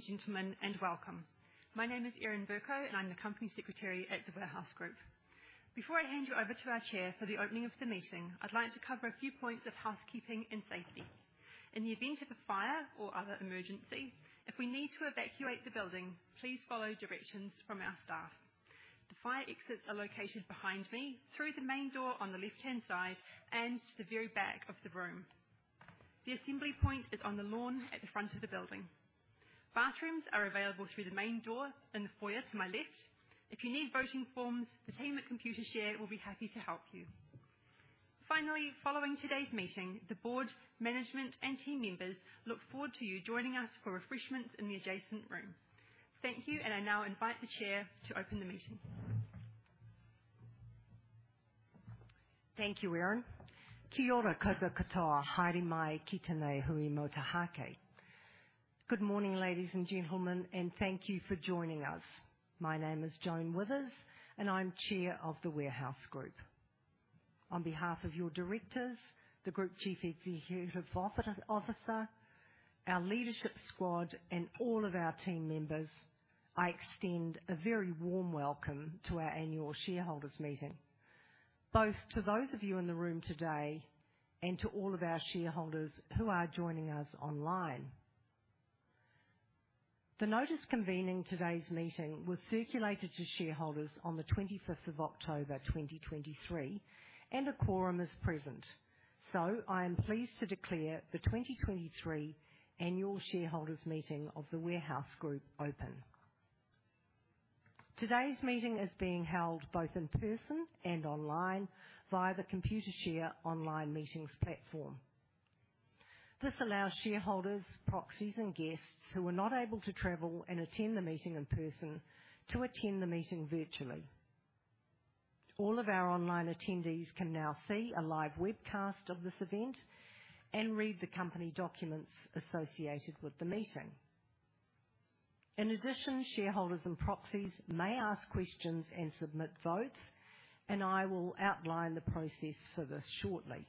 Ladies and gentlemen, and welcome. My name is Erin Vercoe, and I'm the company secretary at The Warehouse Group. Before I hand you over to our chair for the opening of the meeting, I'd like to cover a few points of housekeeping and safety. In the event of a fire or other emergency, if we need to evacuate the building, please follow directions from our staff. The fire exits are located behind me, through the main door on the left-hand side, and to the very back of the room. The assembly point is on the lawn at the front of the building. Bathrooms are available through the main door in the foyer to my left. If you need voting forms, the team at Computershare will be happy to help you. Finally, following today's meeting, the board, management, and team members look forward to you joining us for refreshments in the adjacent room. Thank you, and I now invite the Chair to open the meeting. Thank you, Erin.(FL). Good morning, ladies and gentlemen, and thank you for joining us. My name is Joan Withers, and I'm chair of The Warehouse Group. On behalf of your directors, the group chief executive officer, our leadership squad, and all of our team members, I extend a very warm welcome to our annual shareholders' meeting, both to those of you in the room today and to all of our shareholders who are joining us online. The notice convening today's meeting was circulated to shareholders on the 25th of October, 2023, and a quorum is present. So I am pleased to declare the 2023 annual shareholders' meeting of The Warehouse Group open. Today's meeting is being held both in person and online via the Computershare online meetings platform. This allows shareholders, proxies, and guests who are not able to travel and attend the meeting in person to attend the meeting virtually. All of our online attendees can now see a live webcast of this event and read the company documents associated with the meeting. In addition, shareholders and proxies may ask questions and submit votes, and I will outline the process for this shortly.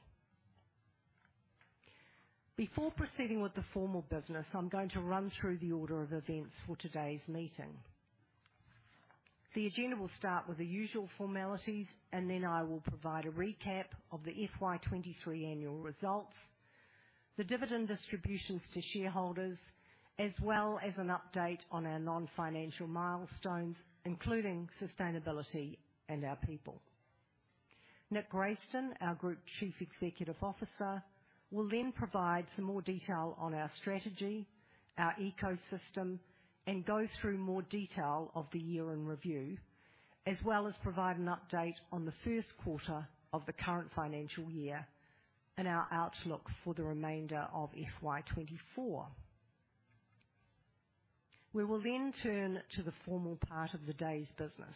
Before proceeding with the formal business, I'm going to run through the order of events for today's meeting. The agenda will start with the usual formalities, and then I will provide a recap of the FY 23 annual results, the dividend distributions to shareholders, as well as an update on our non-financial milestones, including sustainability and our people. Nick Grayston, our Group Chief Executive Officer, will then provide some more detail on our strategy, our ecosystem, and go through more detail of the year in review, as well as provide an update on the first quarter of the current financial year and our outlook for the remainder of FY 2024. We will then turn to the formal part of the day's business.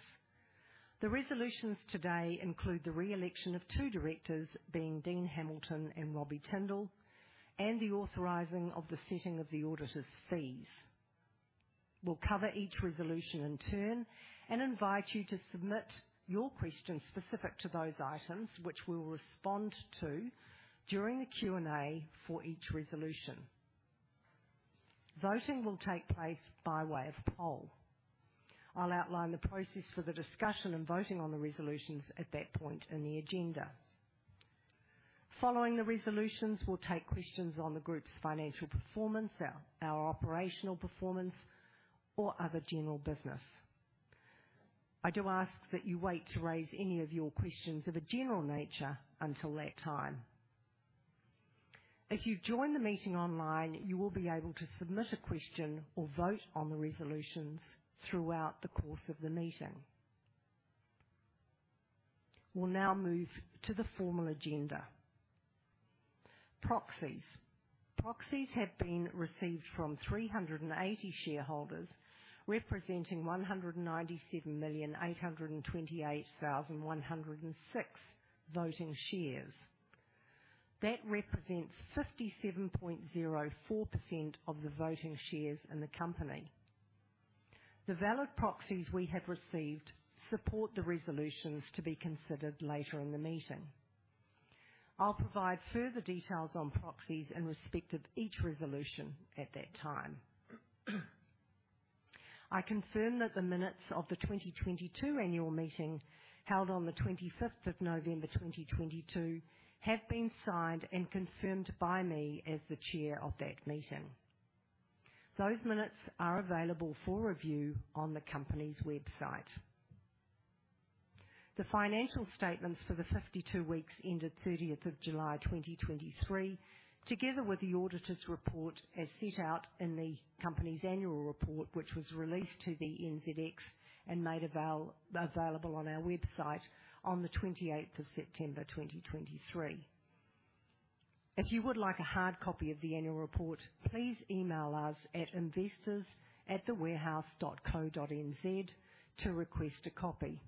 The resolutions today include the re-election of two directors, being Dean Hamilton and Robbie Tindall, and the authorizing of the setting of the auditors' fees. We'll cover each resolution in turn and invite you to submit your questions specific to those items, which we will respond to during the Q&A for each resolution. Voting will take place by way of poll. I'll outline the process for the discussion and voting on the resolutions at that point in the agenda. Following the resolutions, we'll take questions on the group's financial performance, our operational performance, or other general business. I do ask that you wait to raise any of your questions of a general nature until that time. If you've joined the meeting online, you will be able to submit a question or vote on the resolutions throughout the course of the meeting. We'll now move to the formal agenda. Proxies. Proxies have been received from 300 shareholders, representing 197,828,106 voting shares. That represents 57.04% of the voting shares in the company. The valid proxies we have received support the resolutions to be considered later in the meeting. I'll provide further details on proxies in respect of each resolution at that time. I confirm that the minutes of the 2022 annual meeting, held on the 25th of November, 2022, have been signed and confirmed by me as the chair of that meeting. Those minutes are available for review on the company's website. The financial statements for the 52 weeks ended 30th of July, 2023, together with the auditor's report, as set out in the company's annual report, which was released to the NZX and made available on our website on the 28th of September, 2023. If you would like a hard copy of the annual report, please email us at investors@thewarehouse.co.nz to request a copy.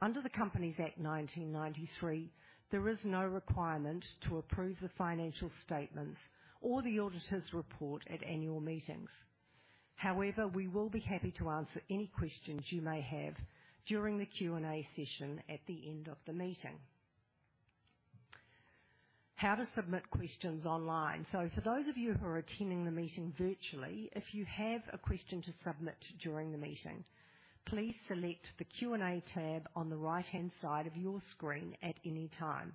Under the Companies Act 1993, there is no requirement to approve the financial statements or the auditor's report at annual meetings. However, we will be happy to answer any questions you may have during the Q&A session at the end of the meeting. How to submit questions online. So for those of you who are attending the meeting virtually, if you have a question to submit during the meeting, please select the Q&A tab on the right-hand side of your screen at any time.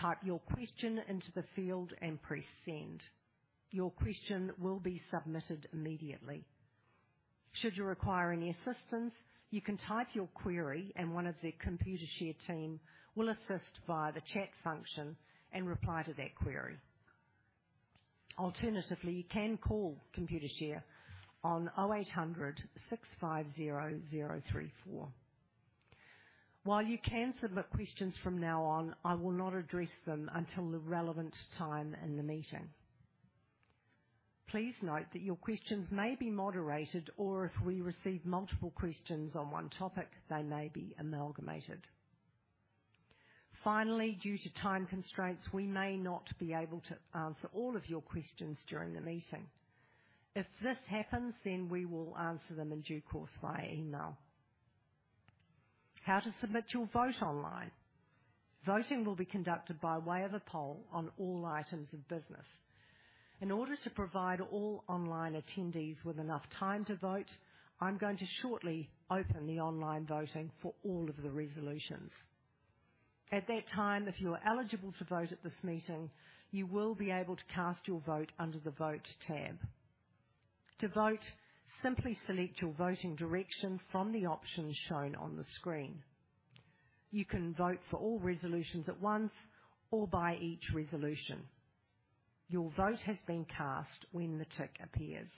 Type your question into the field and press Send. Your question will be submitted immediately. Should you require any assistance, you can type your query, and one of the Computershare team will assist via the chat function and reply to that query. Alternatively, you can call Computershare on 0800 650 034. While you can submit questions from now on, I will not address them until the relevant time in the meeting. Please note that your questions may be moderated, or if we receive multiple questions on one topic, they may be amalgamated. Finally, due to time constraints, we may not be able to answer all of your questions during the meeting. If this happens, then we will answer them in due course via email. How to submit your vote online. Voting will be conducted by way of a poll on all items of business. In order to provide all online attendees with enough time to vote, I'm going to shortly open the online voting for all of the resolutions. At that time, if you are eligible to vote at this meeting, you will be able to cast your vote under the Vote tab. To vote, simply select your voting direction from the options shown on the screen. You can vote for all resolutions at once or by each resolution. Your vote has been cast when the tick appears.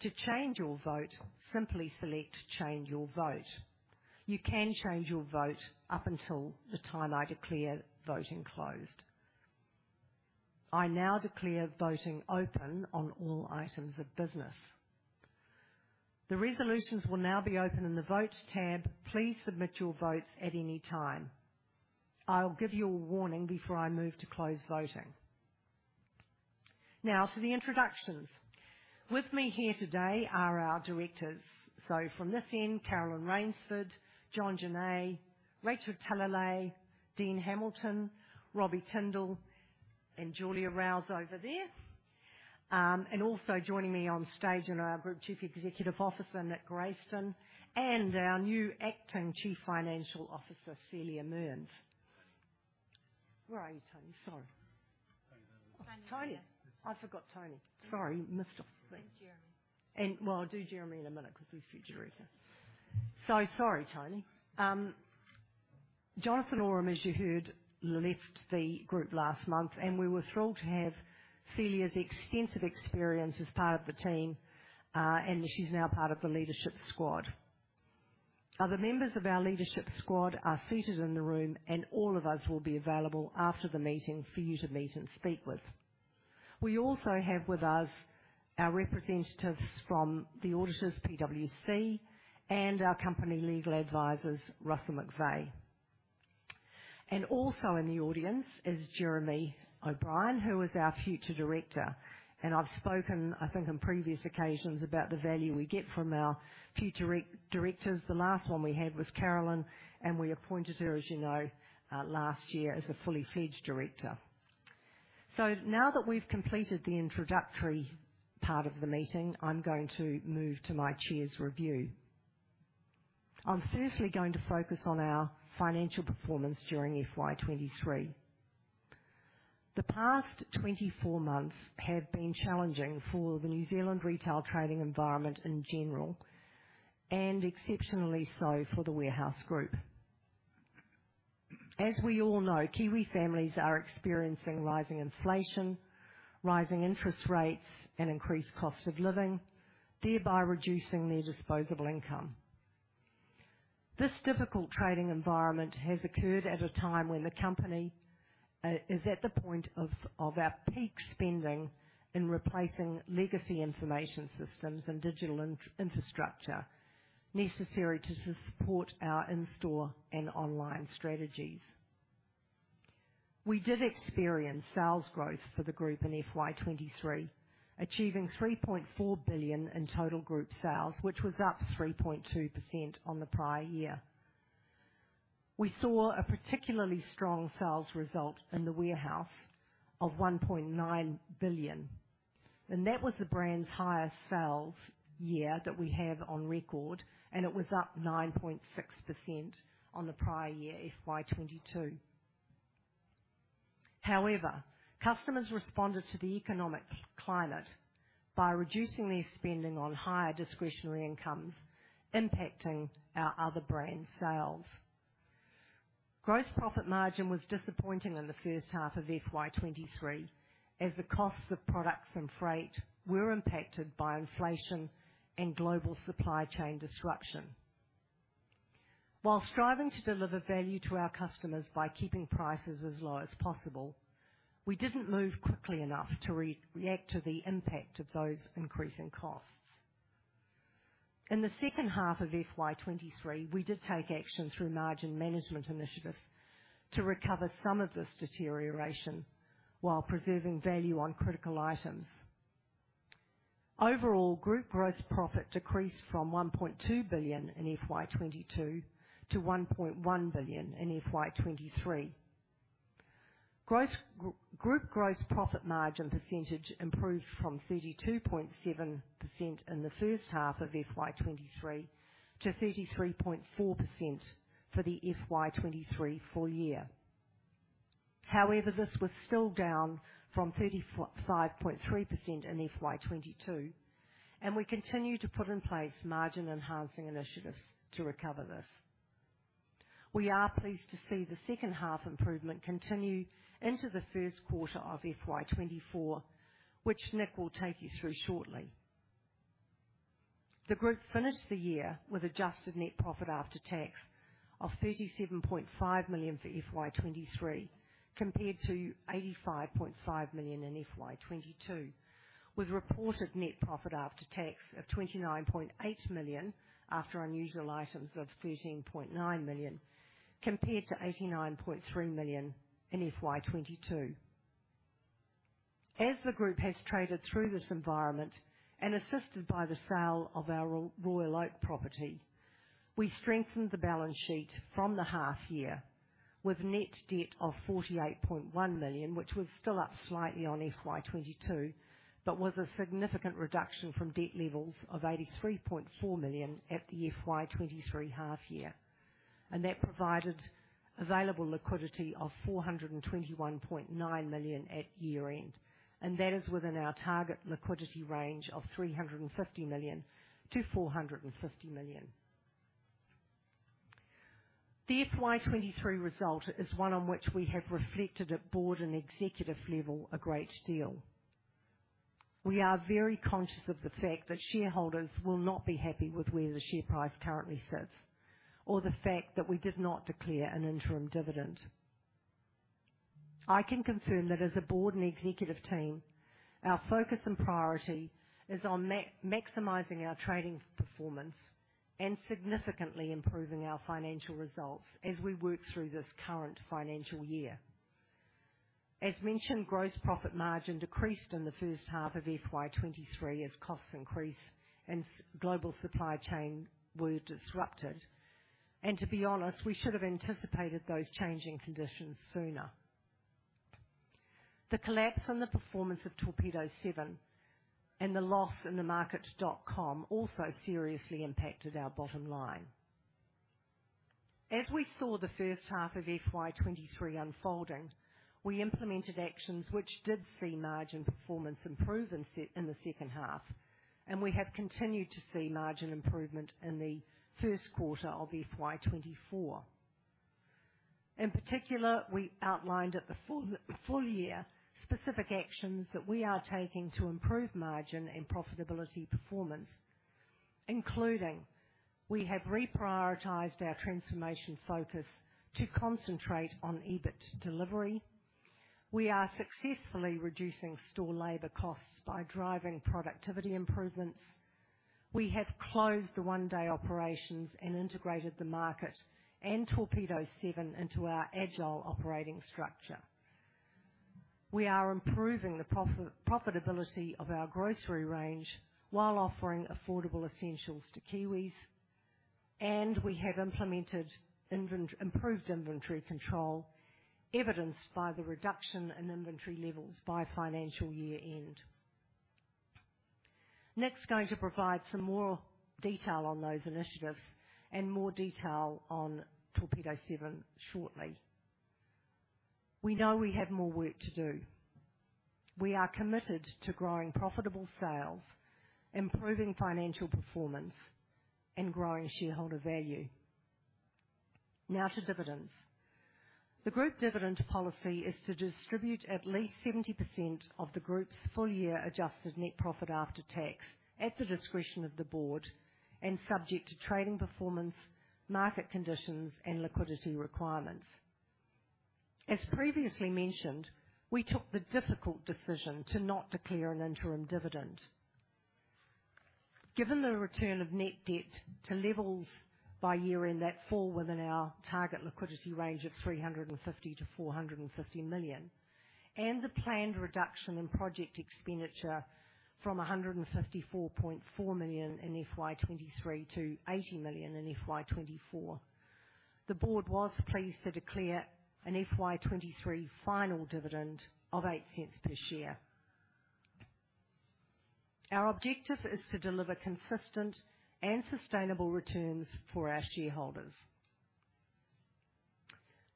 To change your vote, simply select Change your Vote. You can change your vote up until the time I declare voting closed. I now declare voting open on all items of business. The resolutions will now be open in the Vote tab. Please submit your votes at any time. I'll give you a warning before I move to close voting. Now, to the introductions. With me here today are our directors. So from this end, Caroline Rainsford, John Journee, Rachel Taulelei, Dean Hamilton, Robbie Tindall, and Julia Raue over there. And also joining me on stage is our Group Chief Executive Officer, Nick Grayston, and our new Acting Chief Financial Officer, Celia Mearns. Where are you, Tony? Sorry. Tony's here. Tony. I forgot Tony. Sorry, missed off. And Jeremy. Well, I'll do Jeremy in a minute because he's future director. Sorry, Tony. Jonathan Oram, as you heard, left the group last month, and we were thrilled to have Celia's extensive experience as part of the team. She's now part of the leadership squad. Other members of our leadership squad are seated in the room, and all of us will be available after the meeting for you to meet and speak with. We also have with us our representatives from the auditors, PwC, and our company legal advisors, Russell McVeagh. Also in the audience is Jeremy O'Brien, who is our future director, and I've spoken, I think, on previous occasions, about the value we get from our future directors. The last one we had was Caroline, and we appointed her, as you know, last year as a fully-fledged director. So now that we've completed the introductory part of the meeting, I'm going to move to my chair's review. I'm firstly going to focus on our financial performance during FY 2023. The past 24 months have been challenging for the New Zealand retail trading environment in general and exceptionally so for The Warehouse Group. As we all know, Kiwi families are experiencing rising inflation, rising interest rates, and increased cost of living, thereby reducing their disposable income. This difficult trading environment has occurred at a time when the company is at the point of our peak spending in replacing legacy information systems and digital infrastructure necessary to support our in-store and online strategies. We did experience sales growth for the group in FY 2023, achieving 3.4 billion in total group sales, which was up 3.2% on the prior year. We saw a particularly strong sales result in The Warehouse of 1.9 billion, and that was the brand's highest sales year that we have on record, and it was up 9.6% on the prior year, FY 2022. However, customers responded to the economic climate by reducing their spending on higher discretionary incomes, impacting our other brand sales. Gross profit margin was disappointing in the first half of FY 2023, as the costs of products and freight were impacted by inflation and global supply chain disruption. While striving to deliver value to our customers by keeping prices as low as possible, we didn't move quickly enough to react to the impact of those increasing costs. In the second half of FY 2023, we did take action through margin management initiatives to recover some of this deterioration while preserving value on critical items.... Overall, Group gross profit decreased from 1.2 billion in FY 2022 to 1.1 billion in FY 2023. Group gross profit margin percentage improved from 32.7% in the first half of FY 2023 to 33.4% for the FY 2023 full year. However, this was still down from 35.3% in FY 2022, and we continue to put in place margin-enhancing initiatives to recover this. We are pleased to see the second half improvement continue into the first quarter of FY 2024, which Nick will take you through shortly. The group finished the year with adjusted net profit after tax of 37.5 million for FY 2023, compared to 85.5 million in FY 2022, with reported net profit after tax of 29.8 million after unusual items of 13.9 million, compared to 89.3 million in FY 2022. As the group has traded through this environment and assisted by the sale of our Royal Oak property, we strengthened the balance sheet from the half year, with net debt of 48.1 million, which was still up slightly on FY 2022, but was a significant reduction from debt levels of 83.4 million at the FY 2023 half year. That provided available liquidity of 421.9 million at year-end, and that is within our target liquidity range of 350 million-450 million. The FY 2023 result is one on which we have reflected at board and executive level a great deal. We are very conscious of the fact that shareholders will not be happy with where the share price currently sits, or the fact that we did not declare an interim dividend. I can confirm that as a board and executive team, our focus and priority is on maximizing our trading performance and significantly improving our financial results as we work through this current financial year. As mentioned, gross profit margin decreased in the first half of FY 2023 as costs increased and global supply chain were disrupted. To be honest, we should have anticipated those changing conditions sooner. The collapse in the performance of Torpedo7 and the loss in TheMarket.com also seriously impacted our bottom line. As we saw the first half of FY 2023 unfolding, we implemented actions which did see margin performance improve in in the second half, and we have continued to see margin performance improve in the first quarter of FY 2024. In particular, we outlined at the full year specific actions that we are taking to improve margin and profitability performance, including: we have reprioritized our transformation focus to concentrate on EBIT delivery. We are successfully reducing store labor costs by driving productivity improvements. We have closed the 1-day operations and integrated the market and Torpedo7 into our agile operating structure. We are improving the profitability of our grocery range while offering affordable essentials to Kiwis, and we have implemented improved inventory control, evidenced by the reduction in inventory levels by financial year-end. Nick's going to provide some more detail on those initiatives and more detail on Torpedo7 shortly. We know we have more work to do. We are committed to growing profitable sales, improving financial performance, and growing shareholder value. Now to dividends. The group dividend policy is to distribute at least 70% of the group's full-year adjusted net profit after tax, at the discretion of the board, and subject to trading performance, market conditions, and liquidity requirements. As previously mentioned, we took the difficult decision to not declare an interim dividend. Given the return of net debt to levels by year-end that fall within our target liquidity range of 350 million-450 million, and the planned reduction in project expenditure from 154.4 million in FY 2023 to 80 million in FY 2024, the board was pleased to declare an FY 2023 final dividend of 0.08 per share. Our objective is to deliver consistent and sustainable returns for our shareholders.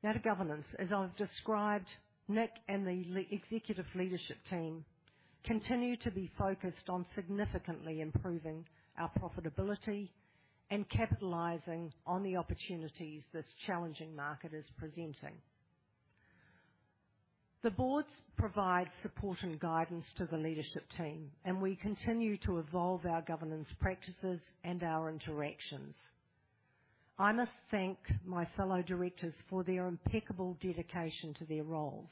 Now to governance. As I've described, Nick and the executive leadership team continue to be focused on significantly improving our profitability and capitalizing on the opportunities this challenging market is presenting. The boards provide support and guidance to the leadership team, and we continue to evolve our governance practices and our interactions. I must thank my fellow directors for their impeccable dedication to their roles.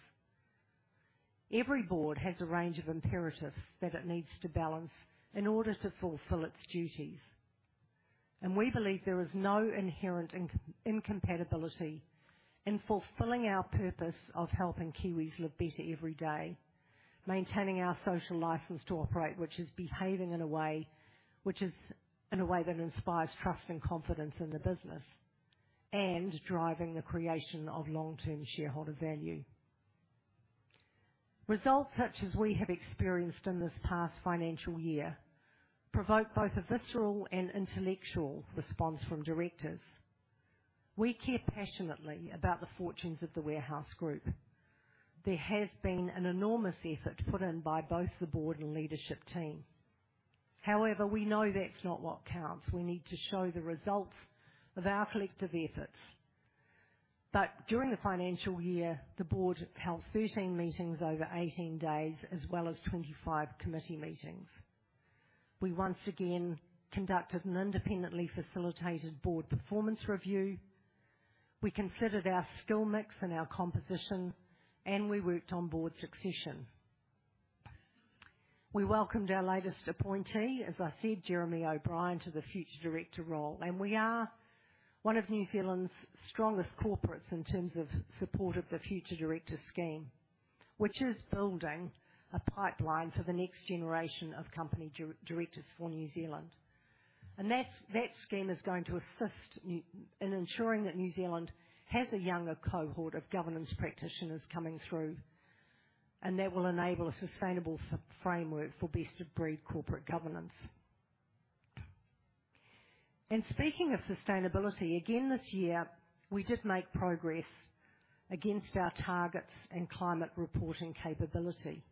Every board has a range of imperatives that it needs to balance in order to fulfill its duties. And we believe there is no inherent incompatibility in fulfilling our purpose of helping Kiwis live better every day, maintaining our social license to operate, which is behaving in a way that inspires trust and confidence in the business, and driving the creation of long-term shareholder value. Results such as we have experienced in this past financial year provoke both a visceral and intellectual response from directors. We care passionately about the fortunes of The Warehouse Group. There has been an enormous effort put in by both the board and leadership team. However, we know that's not what counts. We need to show the results of our collective efforts. But during the financial year, the board held 13 meetings over 18 days, as well as 25 committee meetings. We once again conducted an independently facilitated board performance review, we considered our skill mix and our composition, and we worked on board succession. We welcomed our latest appointee, as I said, Jeremy O'Brien, to the future director role, and we are one of New Zealand's strongest corporates in terms of support of the Future Directors scheme, which is building a pipeline for the next generation of company directors for New Zealand. And that scheme is going to assist in ensuring that New Zealand has a younger cohort of governance practitioners coming through, and that will enable a sustainable framework for best-of-breed corporate governance. And speaking of sustainability, again, this year, we did make progress against our targets and climate reporting capability.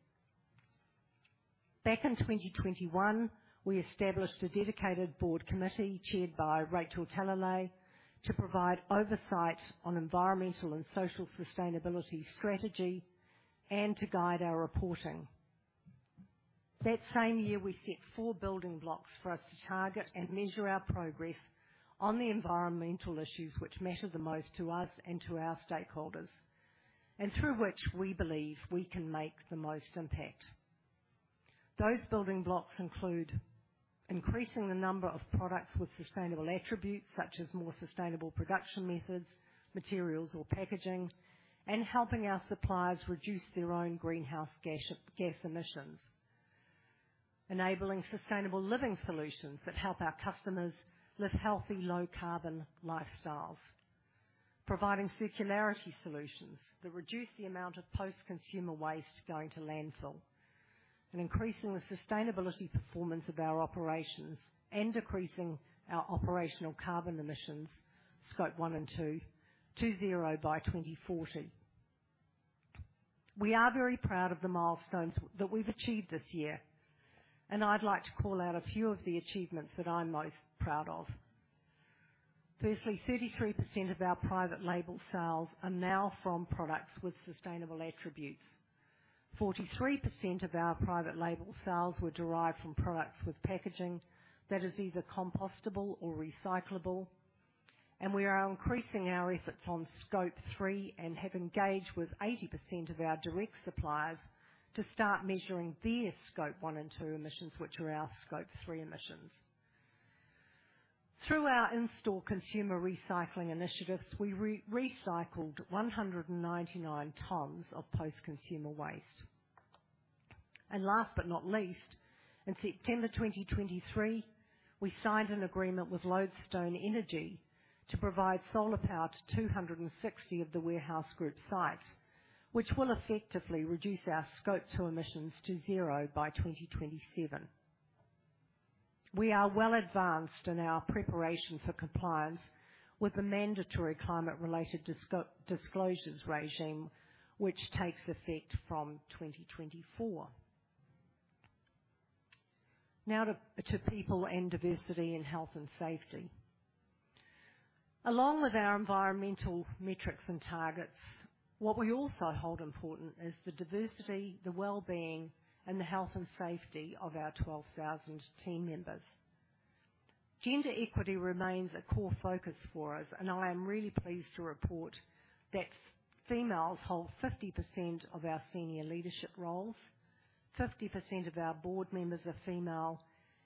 Back in 2021, we established a dedicated board committee, chaired by Rachel Taulelei, to provide oversight on environmental and social sustainability strategy and to guide our reporting. That same year, we set four building blocks for us to target and measure our progress on the environmental issues which matter the most to us and to our stakeholders, and through which we believe we can make the most impact. Those building blocks include increasing the number of products with sustainable attributes, such as more sustainable production methods, materials, or packaging, and helping our suppliers reduce their own greenhouse gas emissions. Enabling sustainable living solutions that help our customers live healthy, low-carbon lifestyles. Providing circularity solutions that reduce the amount of post-consumer waste going to landfill. And increasing the sustainability performance of our operations and decreasing our operational carbon emissions, Scope 1 and 2, to zero by 2040. We are very proud of the milestones that we've achieved this year, and I'd like to call out a few of the achievements that I'm most proud of. Firstly, 33% of our private label sales are now from products with sustainable attributes. 43% of our private label sales were derived from products with packaging that is either compostable or recyclable. We are increasing our efforts on Scope 3, and have engaged with 80% of our direct suppliers to start measuring their Scope 1 and 2 emissions, which are our Scope 3 emissions. Through our in-store consumer recycling initiatives, we recycled 199 tons of post-consumer waste. Last but not least, in September 2023, we signed an agreement with Lodestone Energy to provide solar power to 260 of The Warehouse Group sites, which will effectively reduce our Scope 2 emissions to zero by 2027. We are well advanced in our preparation for compliance with the mandatory climate-related disclosures regime, which takes effect from 2024. Now to people and diversity in health and safety. Along with our environmental metrics and targets, what we also hold important is the diversity, the well-being, and the health and safety of our 12,000 team members. Gender equity remains a core focus for us, and I am really pleased to report that females hold 50% of our senior leadership roles. 50% of our board members are female,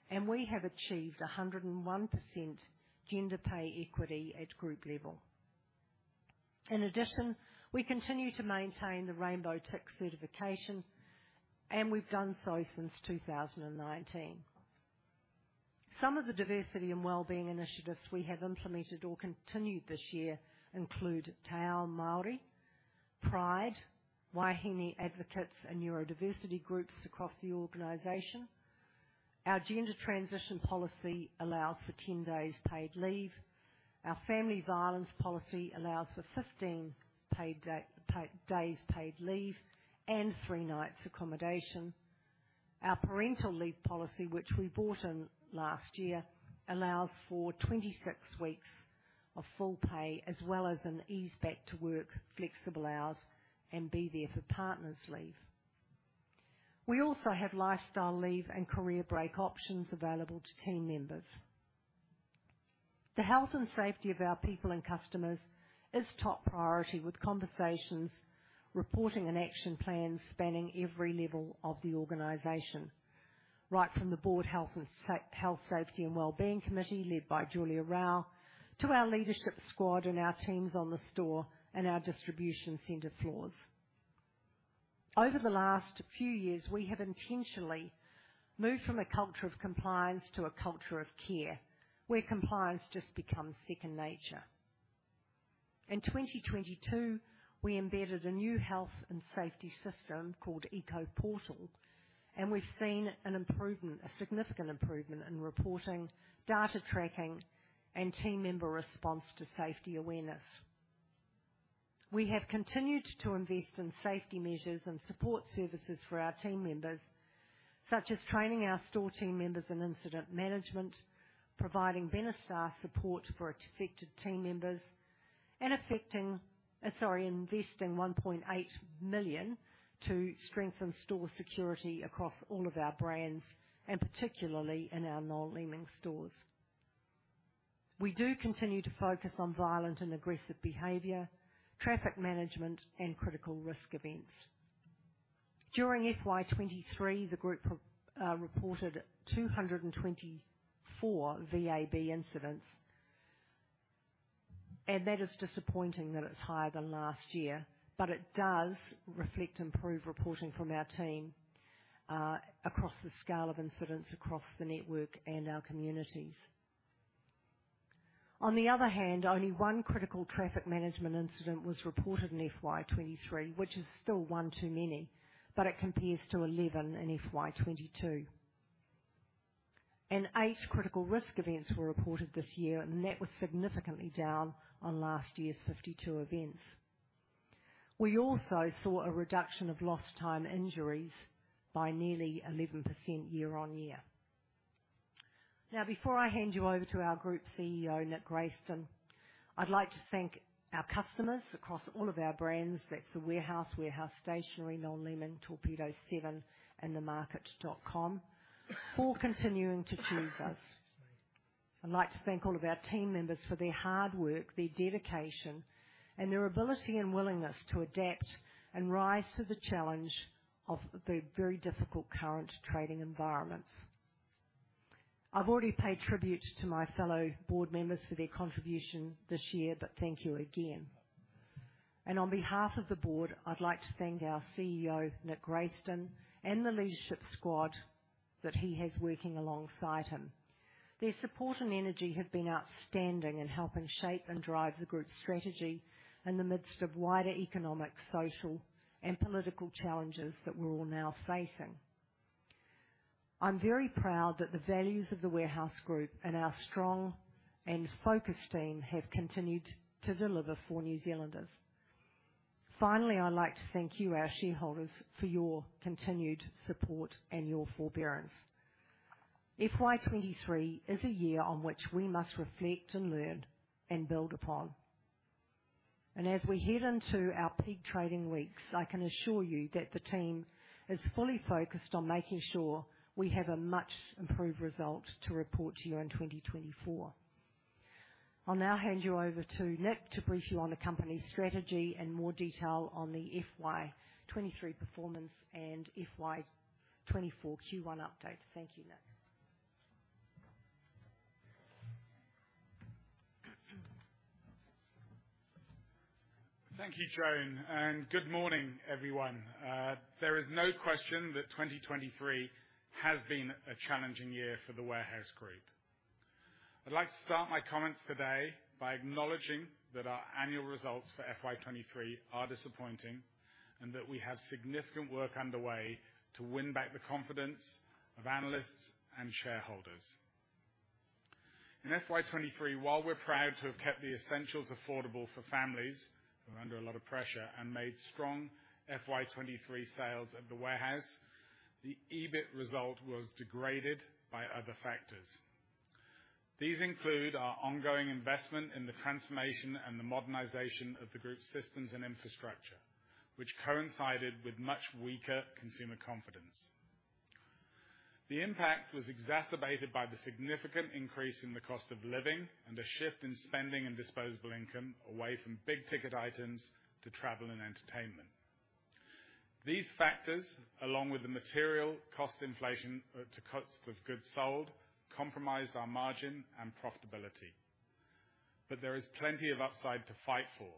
and we have achieved 101% gender pay equity at group level. In addition, we continue to maintain the Rainbow Tick certification, and we've done so since 2019. Some of the diversity and wellbeing initiatives we have implemented or continued this year include Te Ao Māori, Pride, Wahine Advocates, and neurodiversity groups across the organization. Our gender transition policy allows for 10 days paid leave. Our family violence policy allows for 15 paid days paid leave and three nights accommodation. Our parental leave policy, which we brought in last year, allows for 26 weeks of full pay, as well as an ease back to work, flexible hours, and be there for partners leave. We also have lifestyle leave and career break options available to team members. The health and safety of our people and customers is top priority, with reporting an action plan spanning every level of the organization, right from the Board Health, Safety, and Wellbeing Committee, led by Julia Raue, to our leadership squad and our teams on the store and our distribution center floors. Over the last few years, we have intentionally moved from a culture of compliance to a culture of care, where compliance just becomes second nature. In 2022, we embedded a new health and safety system called EcoPortal, and we've seen an improvement, a significant improvement in reporting, data tracking, and team member response to safety awareness. We have continued to invest in safety measures and support services for our team members, such as training our store team members in incident management, providing Benestar support for affected team members, and, sorry, investing 1.8 million to strengthen store security across all of our brands, and particularly in our Noel Leeming stores. We do continue to focus on violent and aggressive behavior, traffic management, and critical risk events. During FY 2023, the group reported 224 VAB incidents, and that is disappointing that it's higher than last year, but it does reflect improved reporting from our team across the scale of incidents across the network and our communities. On the other hand, only one critical traffic management incident was reported in FY 2023, which is still one too many, but it compares to 11 in FY 2022. Eight critical risk events were reported this year, and that was significantly down on last year's 52 events. We also saw a reduction of lost time injuries by nearly 11% year-on-year. Now, before I hand you over to our Group CEO, Nick Grayston, I'd like to thank our customers across all of our brands, that's The Warehouse, Warehouse Stationery, Noel Leeming, Torpedo7, and TheMarket.com, for continuing to choose us. I'd like to thank all of our team members for their hard work, their dedication, and their ability and willingness to adapt and rise to the challenge of the very difficult current trading environments. I've already paid tribute to my fellow board members for their contribution this year, but thank you again. And on behalf of the board, I'd like to thank our CEO, Nick Grayston, and the leadership squad that he has working alongside him. Their support and energy have been outstanding in helping shape and drive the group's strategy in the midst of wider economic, social, and political challenges that we're all now facing. I'm very proud that the values of The Warehouse Group and our strong and focused team have continued to deliver for New Zealanders. Finally, I'd like to thank you, our shareholders, for your continued support and your forbearance. FY 2023 is a year on which we must reflect and learn and build upon. And as we head into our peak trading weeks, I can assure you that the team is fully focused on making sure we have a much improved result to report to you in 2024. I'll now hand you over to Nick to brief you on the company's strategy and more detail on the FY 2023 performance and FY 2024 Q1 update. Thank you, Nick. Thank you, Joan, and good morning, everyone. There is no question that 2023 has been a challenging year for The Warehouse Group. I'd like to start my comments today by acknowledging that our annual results for FY 2023 are disappointing, and that we have significant work underway to win back the confidence of analysts and shareholders. In FY 2023, while we're proud to have kept the essentials affordable for families, who are under a lot of pressure, and made strong FY 2023 sales at The Warehouse, the EBIT result was degraded by other factors. These include our ongoing investment in the transformation and the modernization of the group's systems and infrastructure, which coincided with much weaker consumer confidence. The impact was exacerbated by the significant increase in the cost of living and a shift in spending and disposable income away from big-ticket items to travel and entertainment. These factors, along with the material cost inflation, to costs of goods sold, compromised our margin and profitability. But there is plenty of upside to fight for.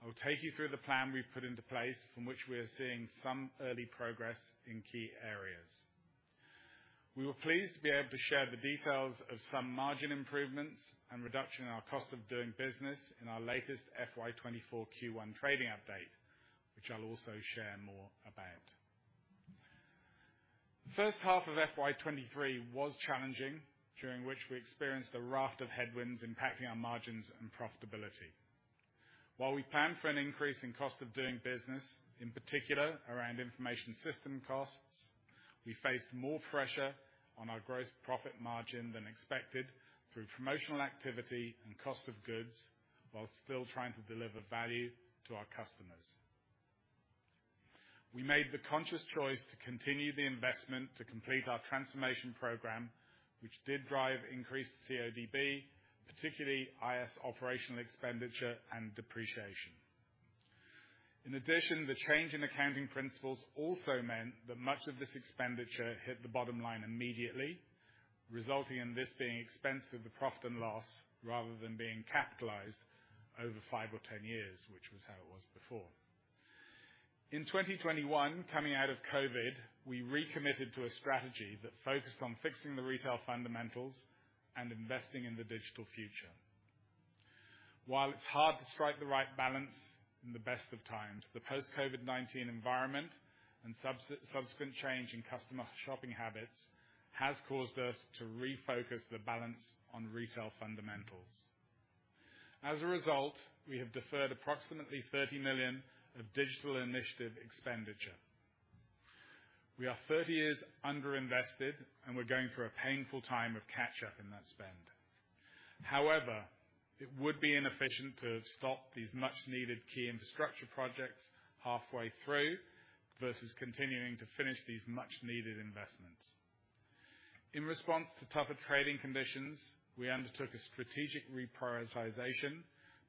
I will take you through the plan we've put into place, from which we are seeing some early progress in key areas. We were pleased to be able to share the details of some margin improvements and reduction in our cost of doing business in our latest FY 2024 Q1 trading update, which I'll also share more about. First half of FY 2023 was challenging, during which we experienced a raft of headwinds impacting our margins and profitability. While we planned for an increase in cost of doing business, in particular around information system costs, we faced more pressure on our gross profit margin than expected through promotional activity and cost of goods, while still trying to deliver value to our customers.... We made the conscious choice to continue the investment to complete our transformation program, which did drive increased CODB, particularly IS operational expenditure and depreciation. In addition, the change in accounting principles also meant that much of this expenditure hit the bottom line immediately, resulting in this being expensed to the profit and loss, rather than being capitalized over five or 10 years, which was how it was before. In 2021, coming out of COVID, we recommitted to a strategy that focused on fixing the retail fundamentals and investing in the digital future. While it's hard to strike the right balance in the best of times, the post-COVID-19 environment and subsequent change in customer shopping habits has caused us to refocus the balance on retail fundamentals. As a result, we have deferred approximately 30 million of digital initiative expenditure. We are 30 years underinvested, and we're going through a painful time of catch-up in that spend. However, it would be inefficient to stop these much-needed key infrastructure projects halfway through, versus continuing to finish these much-needed investments. In response to tougher trading conditions, we undertook a strategic reprioritization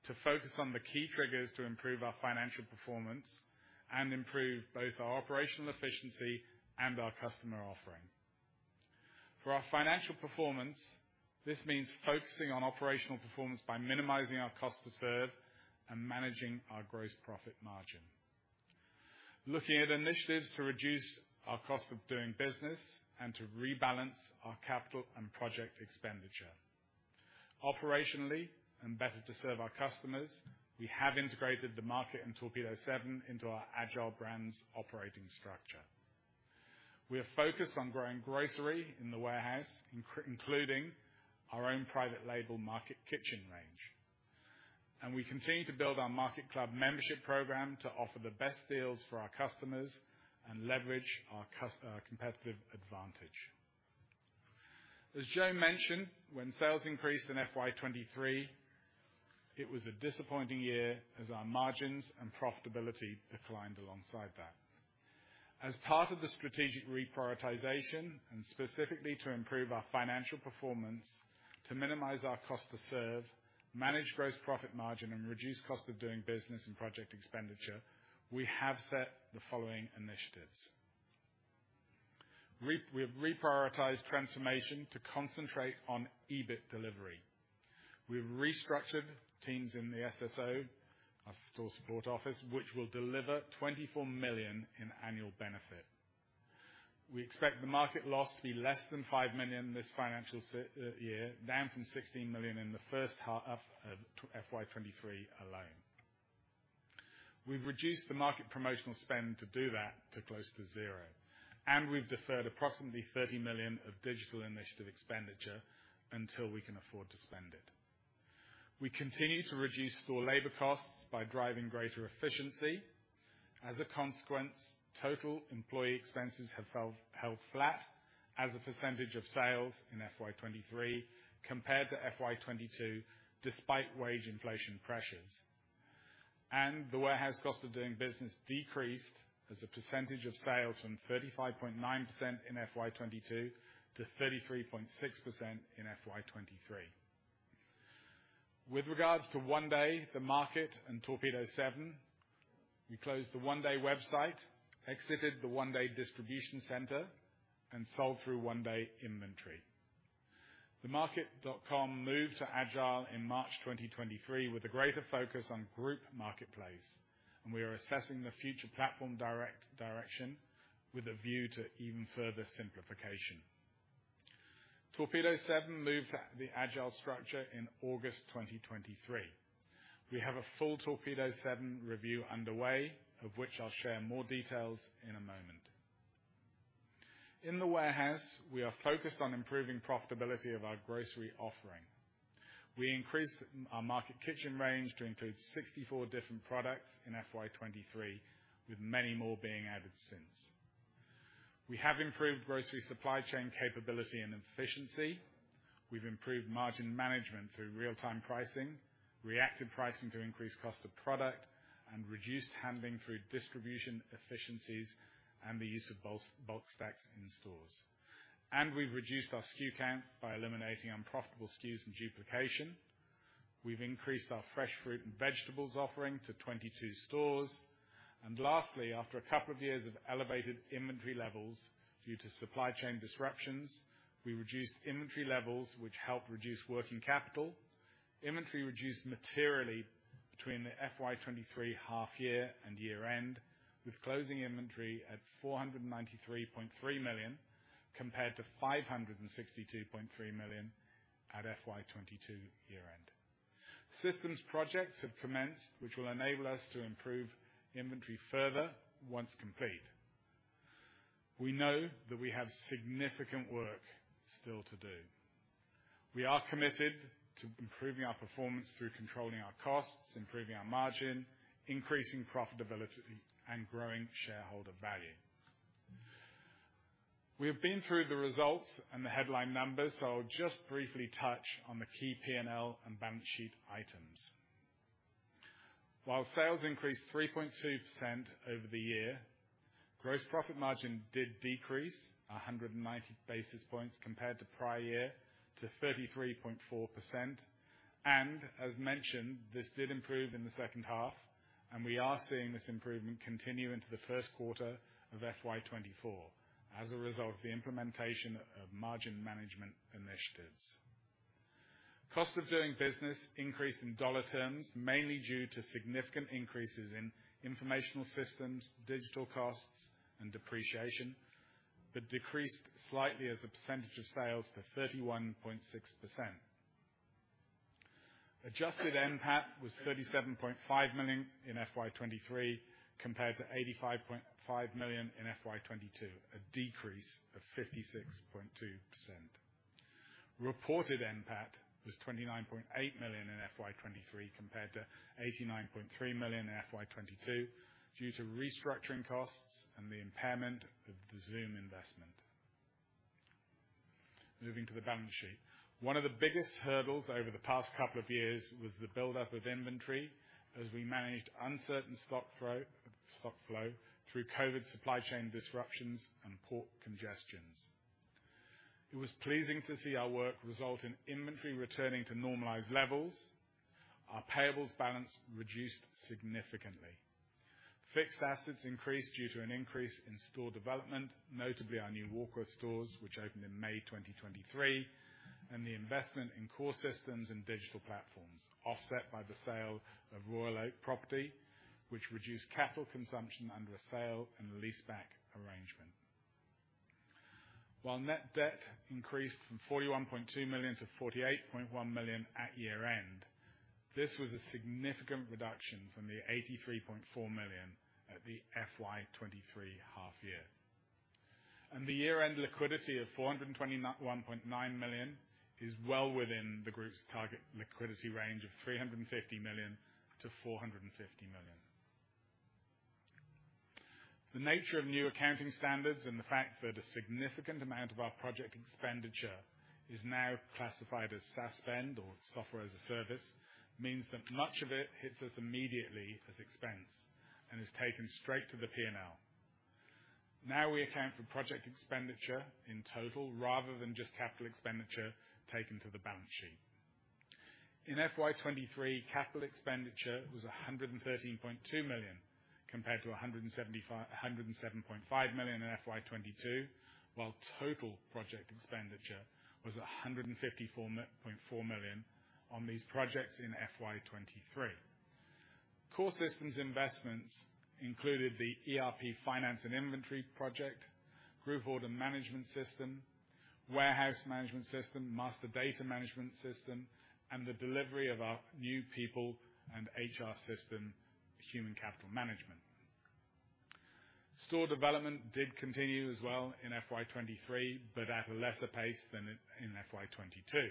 to focus on the key triggers to improve our financial performance and improve both our operational efficiency and our customer offering. For our financial performance, this means focusing on operational performance by minimizing our cost to serve and managing our gross profit margin. Looking at initiatives to reduce our cost of doing business and to rebalance our capital and project expenditure. Operationally and better to serve our customers, we have integrated the market in Torpedo7 into our Agile brands operating structure. We are focused on growing grocery in the Warehouse, including our own private label Market Kitchen range. We continue to build our MarketClub membership program to offer the best deals for our customers and leverage our competitive advantage. As Joe mentioned, when sales increased in FY 2023, it was a disappointing year as our margins and profitability declined alongside that. As part of the strategic reprioritization, and specifically to improve our financial performance, to minimize our cost to serve, manage gross profit margin, and reduce cost of doing business and project expenditure, we have set the following initiatives. We, we have reprioritized transformation to concentrate on EBIT delivery. We've restructured teams in the SSO, our store support office, which will deliver 24 million in annual benefit. We expect thetmarket loss to be less than 5 million this financial year, down from 16 million in the first half of FY 2023 alone. We've reduced the market promotional spend to do that to close to zero, and we've deferred approximately 30 million of digital initiative expenditure until we can afford to spend it. We continue to reduce store labor costs by driving greater efficiency. As a consequence, total employee expenses have held flat as a percentage of sales in FY 2023 compared to FY 2022, despite wage inflation pressures. The Warehouse cost of doing business decreased as a percentage of sales from 35.9% in FY 2022 to 33.6% in FY 2023. With regards to 1-day, the market and Torpedo7, we closed the 1-day website, exited the 1-day distribution center, and sold through 1-day inventory. the market.com moved to Agile in March 2023, with a greater focus on group marketplace, and we are assessing the future platform direction with a view to even further simplification. Torpedo7 moved to the Agile structure in August 2023. We have a full Torpedo7 review underway, of which I'll share more details in a moment. In The Warehouse, we are focused on improving profitability of our grocery offering. We increased our Market Kitchen range to include 64 different products in FY 2023, with many more being added since. We have improved grocery supply chain capability and efficiency. We've improved margin management through real-time pricing, reactive pricing to increase cost of product, and reduced handling through distribution efficiencies and the use of bulk stacks in stores. We've reduced our SKU count by eliminating unprofitable SKUs and duplication. We've increased our fresh fruit and vegetables offering to 22 stores. Lastly, after a couple of years of elevated inventory levels due to supply chain disruptions, we reduced inventory levels, which helped reduce working capital. Inventory reduced materially between the FY 2023 half year and year end, with closing inventory at 493.3 million, compared to 562.3 million at FY 2022 year end. Systems projects have commenced, which will enable us to improve inventory further once complete. We know that we have significant work still to do. We are committed to improving our performance through controlling our costs, improving our margin, increasing profitability, and growing shareholder value.... We have been through the results and the headline numbers, so I'll just briefly touch on the key PNL and balance sheet items. While sales increased 3.2% over the year, gross profit margin did decrease 190 basis points compared to prior year to 33.4%. As mentioned, this did improve in the second half, and we are seeing this improvement continue into the first quarter of FY 2024 as a result of the implementation of margin management initiatives. Cost of doing business increased in dollar terms, mainly due to significant increases in information systems, digital costs and depreciation, but decreased slightly as a percentage of sales to 31.6%. Adjusted NPAT was 37.5 million in FY 2023, compared to 85.5 million in FY 2022, a decrease of 56.2%. Reported NPAT was 29.8 million in FY 2023, compared to 89.3 million in FY 2022, due to restructuring costs and the impairment of the Zoom investment. Moving to the balance sheet. One of the biggest hurdles over the past couple of years was the buildup of inventory as we managed uncertain stock flow through COVID supply chain disruptions and port congestions. It was pleasing to see our work result in inventory returning to normalized levels. Our payables balance reduced significantly. Fixed assets increased due to an increase in store development, notably our new Warkworth stores, which opened in May 2023, and the investment in core systems and digital platforms, offset by the sale of Royal Oak Property, which reduced capital consumption under a sale and leaseback arrangement. While net debt increased from 41.2 million-48.1 million at year-end, this was a significant reduction from the 83.4 million at the FY 2023 half year. The year-end liquidity of 421.9 million is well within the group's target liquidity range of 350 million-450 million. The nature of new accounting standards and the fact that a significant amount of our project expenditure is now classified as SaaS spend or Software as a Service, means that much of it hits us immediately as expense and is taken straight to the PNL. Now, we account for project expenditure in total rather than just capital expenditure taken to the balance sheet. In FY 2023, capital expenditure was 113.2 million, compared to 107.5 million in FY 2022, while total project expenditure was 154.4 million on these projects in FY 2023. Core systems investments included the ERP finance and inventory project, group order management system, warehouse management system, master data management system, and the delivery of our new people and HR system, Human Capital Management. Store development did continue as well in FY 2023, but at a lesser pace than in FY 2022.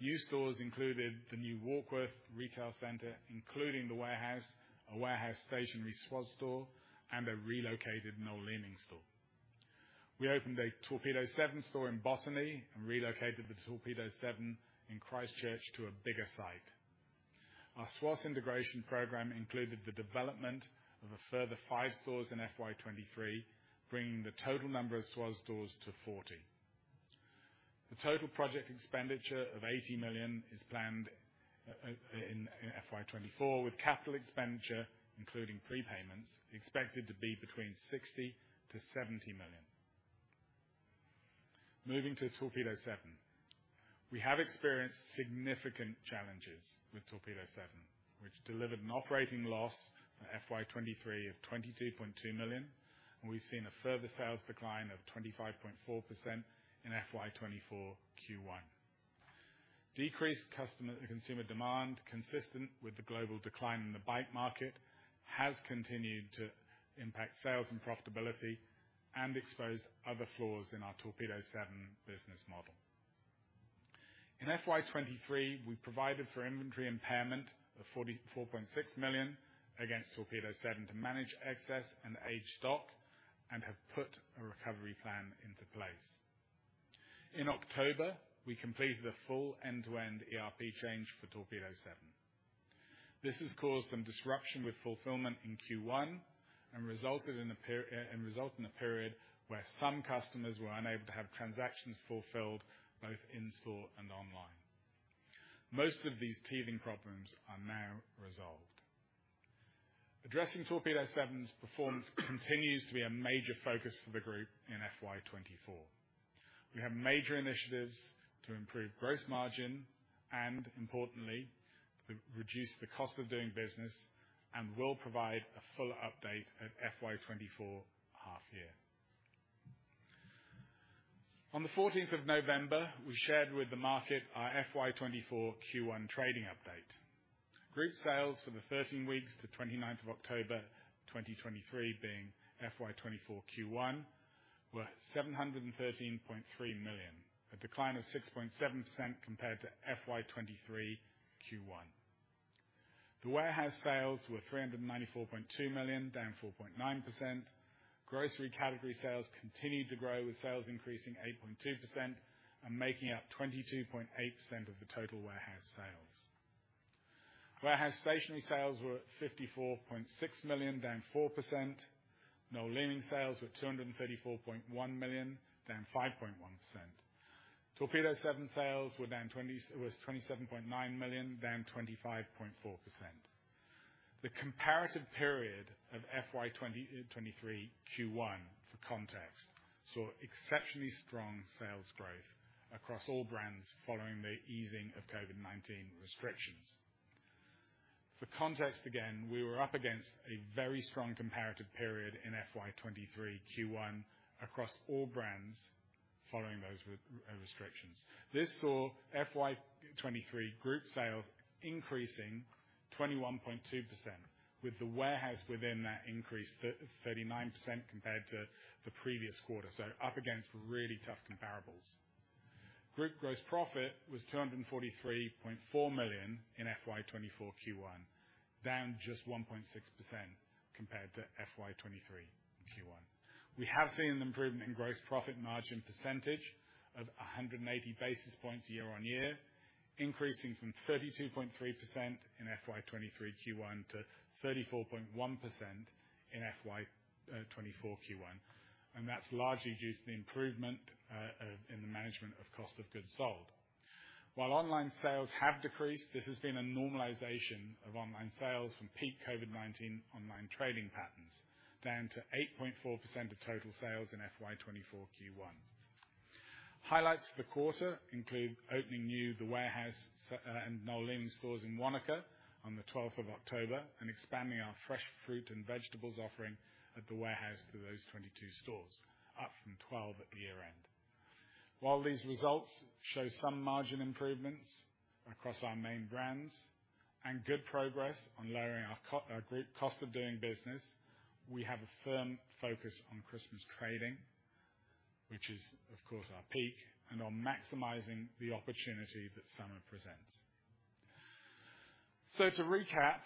New stores included the new Warkworth retail center, including The Warehouse, a Warehouse Stationery SWAS store, and a relocated Noel Leeming store. We opened a Torpedo7 store in Botany and relocated the Torpedo7 in Christchurch to a bigger site. Our SWAS integration program included the development of a further five stores in FY 2023, bringing the total number of SWAS stores to 40. The total project expenditure of 80 million is planned in FY 2024, with capital expenditure, including prepayments, expected to be between 60 million-70 million. Moving to Torpedo7. We have experienced significant challenges with Torpedo7, which delivered an operating loss in FY 2023 of 22.2 million, and we've seen a further sales decline of 25.4% in FY 2024 Q1. Decreased customer and consumer demand, consistent with the global decline in the bike market, has continued to impact sales and profitability and exposed other flaws in our Torpedo7 business model. In FY 2023, we provided for inventory impairment of 44.6 million against Torpedo7 to manage excess and aged stock, and have put a recovery plan into place. In October, we completed the full end-to-end ERP change for Torpedo7. This has caused some disruption with fulfillment in Q1 and resulted in a period where some customers were unable to have transactions fulfilled, both in-store and online. Most of these teething problems are now resolved. Addressing Torpedo7's performance continues to be a major focus for the group in FY 2024. We have major initiatives to improve gross margin and importantly, reduce the cost of doing business, and will provide a full update at FY 2024 half year. On the fourteenth of November, we shared with the market our FY 2024 Q1 trading update. Group sales for the thirteen weeks to twenty-ninth of October, 2023, being FY 2024 Q1, were 713.3 million, a decline of 6.7% compared to FY 2023 Q1. The Warehouse sales were 394.2 million, down 4.9%. Grocery category sales continued to grow, with sales increasing 8.2% and making up 22.8% of the total Warehouse sales. Warehouse Stationery sales were at 54.6 million, down 4%. Noel Leeming sales were 234.1 million, down 5.1%. Torpedo7 sales were 27.9 million, down 25.4%. The comparative period of FY 2023 Q1, for context, saw exceptionally strong sales growth across all brands following the easing of COVID-19 restrictions. For context, again, we were up against a very strong comparative period in FY 2023 Q1 across all brands following those restrictions. This saw FY 2023 group sales increasing 21.2%, with The Warehouse within that increase 39% compared to the previous quarter, so up against really tough comparables. Group gross profit was 243.4 million in FY 2024 Q1, down just 1.6% compared to FY 2023 Q1. We have seen an improvement in gross profit margin percentage of 180 basis points year on year, increasing from 32.3% in FY 2023 Q1 to 34.1% in FY 2024 Q1, and that's largely due to the improvement in the management of cost of goods sold. While online sales have decreased, this has been a normalization of online sales from peak COVID-19 online trading patterns, down to 8.4% of total sales in FY 2024 Q1. Highlights for the quarter include opening new The Warehouse and Noel Leeming stores in Wanaka on the twelfth of October, and expanding our fresh fruit and vegetables offering at The Warehouse to those 22 stores, up from 12 at the year-end. While these results show some margin improvements across our main brands and good progress on lowering our group cost of doing business, we have a firm focus on Christmas trading, which is of course our peak, and on maximizing the opportunity that summer presents. To recap,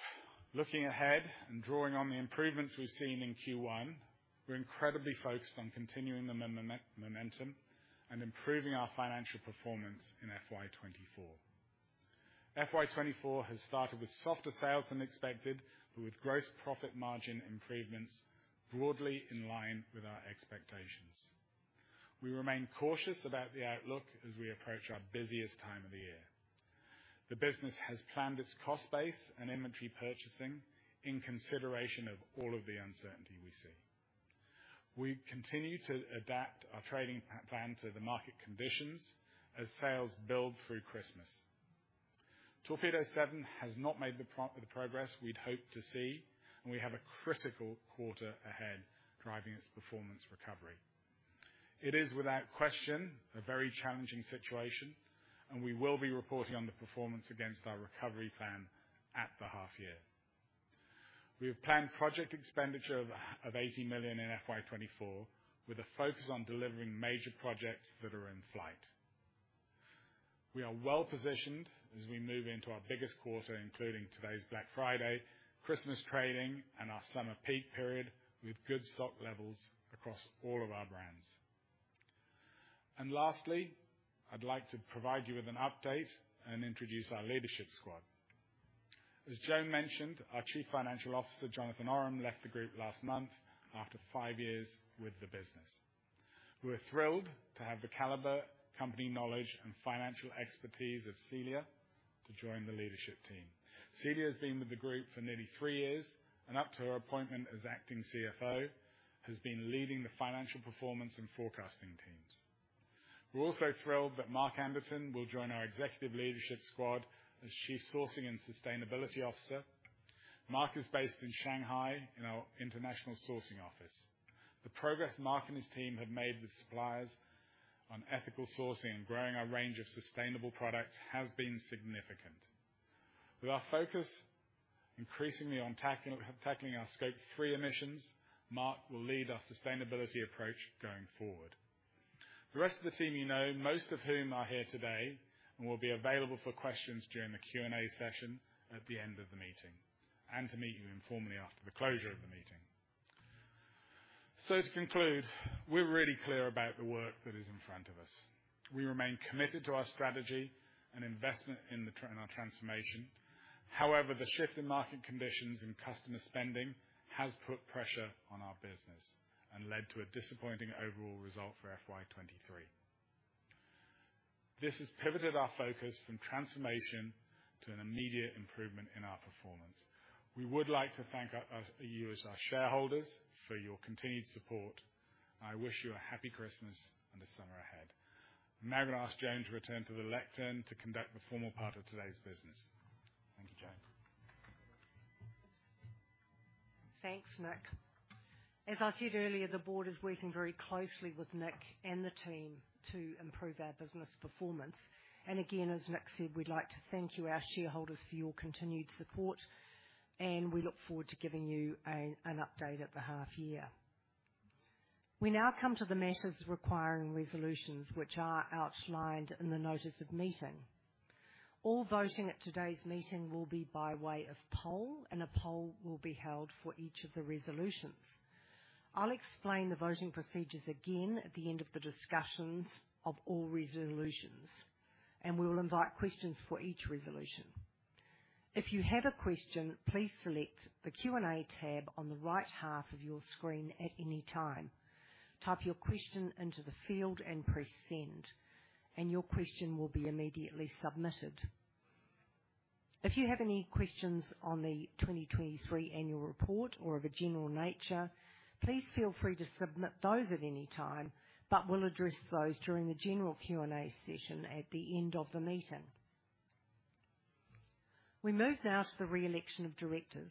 looking ahead and drawing on the improvements we've seen in Q1, we're incredibly focused on continuing the momentum and improving our financial performance in FY 2024. FY 2024 has started with softer sales than expected, but with gross profit margin improvements broadly in line with our expectations. We remain cautious about the outlook as we approach our busiest time of the year. The business has planned its cost base and inventory purchasing in consideration of all of the uncertainty we see. We continue to adapt our trading plan to the market conditions as sales build through Christmas. Torpedo7 has not made the progress we'd hoped to see, and we have a critical quarter ahead, driving its performance recovery. It is, without question, a very challenging situation, and we will be reporting on the performance against our recovery plan at the half year. We have planned project expenditure of 80 million in FY 2024, with a focus on delivering major projects that are in flight. We are well positioned as we move into our biggest quarter, including today's Black Friday, Christmas trading, and our summer peak period, with good stock levels across all of our brands. And lastly, I'd like to provide you with an update and introduce our leadership squad. As Joan mentioned, our Chief Financial Officer, Jonathan Oram, left the group last month after five years with the business. We are thrilled to have the caliber, company knowledge, and financial expertise of Celia to join the leadership team. Celia has been with the group for nearly three years, and up to her appointment as acting CFO, has been leading the financial performance and forecasting teams. We're also thrilled that Mark Anderton will join our executive leadership squad as Chief Sourcing and Sustainability Officer. Mark is based in Shanghai, in our international sourcing office. The progress Mark and his team have made with suppliers on ethical sourcing and growing our range of sustainable products has been significant. With our focus increasingly on tackling our Scope 3 emissions, Mark will lead our sustainability approach going forward. The rest of the team you know, most of whom are here today, and will be available for questions during the Q&A session at the end of the meeting, and to meet you informally after the closure of the meeting. So to conclude, we're really clear about the work that is in front of us. We remain committed to our strategy and investment in our transformation. However, the shift in market conditions and customer spending has put pressure on our business and led to a disappointing overall result for FY 2023. This has pivoted our focus from transformation to an immediate improvement in our performance. We would like to thank you as our shareholders for your continued support. I wish you a happy Christmas and a summer ahead. I'm now going to ask Joan to return to the lectern to conduct the formal part of today's business. Thank you, Joan. Thanks, Nick. As I said earlier, the board is working very closely with Nick and the team to improve our business performance. And again, as Nick said, we'd like to thank you, our shareholders, for your continued support, and we look forward to giving you a, an update at the half year.... We now come to the matters requiring resolutions, which are outlined in the notice of meeting. All voting at today's meeting will be by way of poll, and a poll will be held for each of the resolutions. I'll explain the voting procedures again at the end of the discussions of all resolutions, and we will invite questions for each resolution. If you have a question, please select the Q&A tab on the right half of your screen at any time. Type your question into the field and press Send, and your question will be immediately submitted. If you have any questions on the 2023 annual report or of a general nature, please feel free to submit those at any time, but we'll address those during the general Q&A session at the end of the meeting. We move now to the re-election of directors.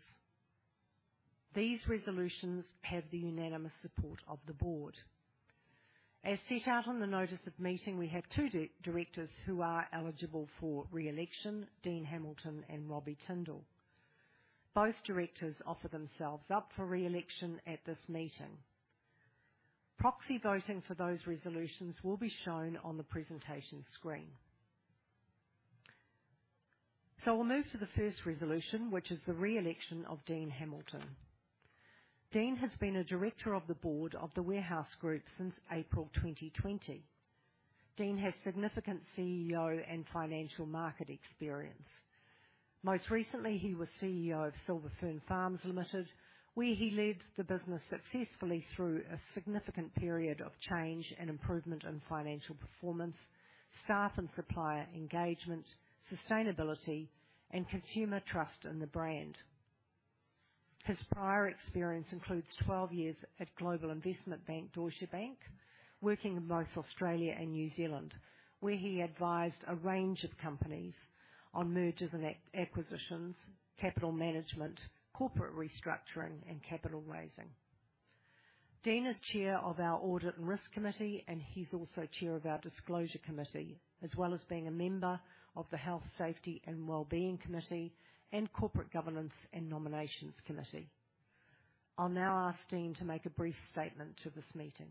These resolutions have the unanimous support of the board. As set out on the notice of meeting, we have two directors who are eligible for re-election, Dean Hamilton and Robbie Tindall. Both directors offer themselves up for re-election at this meeting. Proxy voting for those resolutions will be shown on the presentation screen. So we'll move to the first resolution, which is the re-election of Dean Hamilton. Dean has been a director of the board of The Warehouse Group since April 2020. Dean has significant CEO and financial market experience. Most recently, he was CEO of Silver Fern Farms Limited, where he led the business successfully through a significant period of change and improvement in financial performance, staff and supplier engagement, sustainability, and consumer trust in the brand. His prior experience includes 12 years at Deutsche Bank, working in both Australia and New Zealand, where he advised a range of companies on mergers and acquisitions, capital management, corporate restructuring, and capital raising. Dean is chair of our Audit and Risk Committee, and he's also chair of our Disclosure Committee, as well as being a member of the Health, Safety and Wellbeing Committee and Corporate Governance and Nominations Committee. I'll now ask Dean to make a brief statement to this meeting.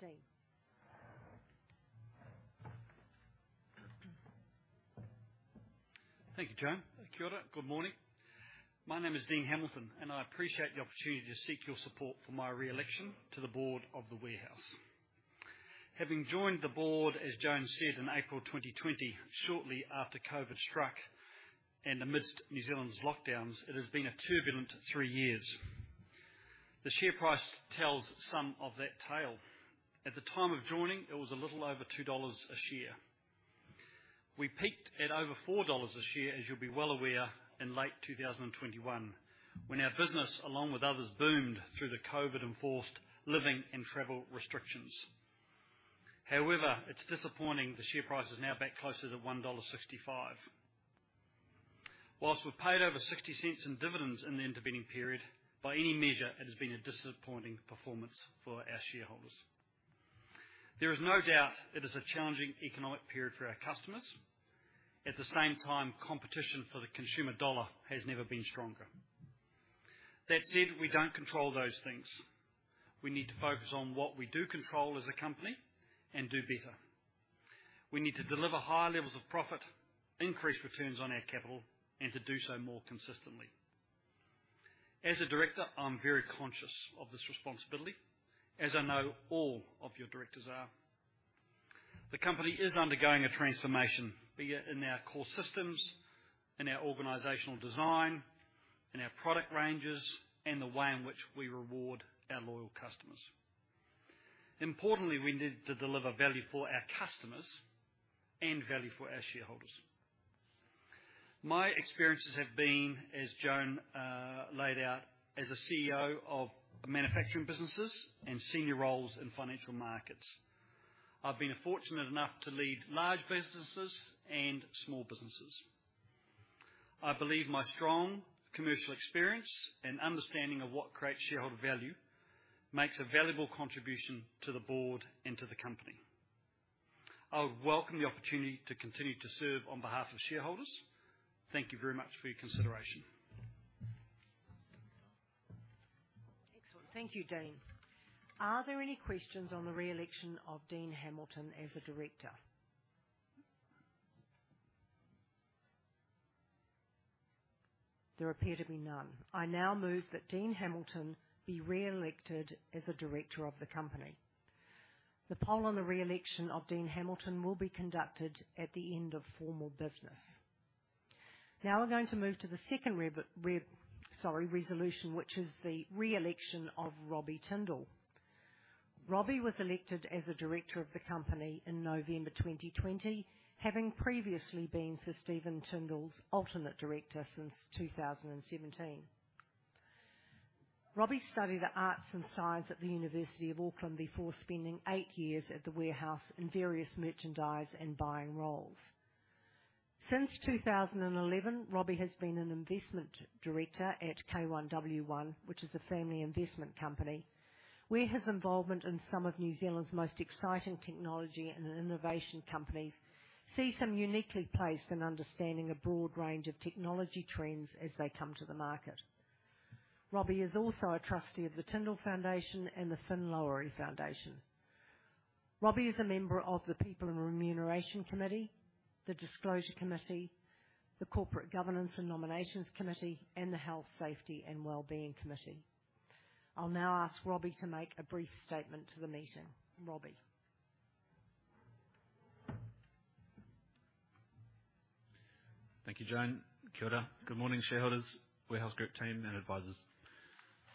Dean? Thank you, Joan. Kia ora. Good morning. My name is Dean Hamilton, and I appreciate the opportunity to seek your support for my re-election to the board of The Warehouse. Having joined the board, as Joan said, in April 2020, shortly after COVID struck and amidst New Zealand's lockdowns, it has been a turbulent three years. The share price tells some of that tale. At the time of joining, it was a little over $2 a share. We peaked at over $4 a share, as you'll be well aware, in late 2021, when our business, along with others, boomed through the COVID-enforced living and travel restrictions. However, it's disappointing the share price is now back closer to $1.65. While we've paid over 0.60 in dividends in the intervening period, by any measure, it has been a disappointing performance for our shareholders. There is no doubt it is a challenging economic period for our customers. At the same time, competition for the consumer dollar has never been stronger. That said, we don't control those things. We need to focus on what we do control as a company and do better. We need to deliver higher levels of profit, increase returns on our capital, and to do so more consistently. As a director, I'm very conscious of this responsibility, as I know all of your directors are. The company is undergoing a transformation, be it in our core systems, in our organizational design, in our product ranges, and the way in which we reward our loyal customers. Importantly, we need to deliver value for our customers and value for our shareholders. My experiences have been, as Joan laid out, as a CEO of manufacturing businesses and senior roles in financial markets. I've been fortunate enough to lead large businesses and small businesses. I believe my strong commercial experience and understanding of what creates shareholder value makes a valuable contribution to the board and to the company. I would welcome the opportunity to continue to serve on behalf of shareholders. Thank you very much for your consideration. Excellent. Thank you, Dean. Are there any questions on the re-election of Dean Hamilton as a director? There appear to be none. I now move that Dean Hamilton be re-elected as a director of the company. The poll on the re-election of Dean Hamilton will be conducted at the end of formal business. Now we're going to move to the second resolution, which is the re-election of Robbie Tindall. Robbie was elected as a director of the company in November 2020, having previously been Sir Stephen Tindall's alternate director since 2017. Robbie studied the arts and science at the University of Auckland before spending eight years at The Warehouse in various merchandise and buying roles. Since 2011, Robbie has been an investment director at K1W1, which is a family investment company, where his involvement in some of New Zealand's most exciting technology and innovation companies sees him uniquely placed in understanding a broad range of technology trends as they come to the market. Robbie is also a trustee of the Tindall Foundation and the Finn Lowery Foundation.... Robbie is a member of the People and Remuneration Committee, the Disclosure Committee, the Corporate Governance and Nominations Committee, and the Health, Safety, and Wellbeing Committee. I'll now ask Robbie to make a brief statement to the meeting. Robbie? Thank you, Joan. Kia ora. Good morning, shareholders, Warehouse Group team, and advisors.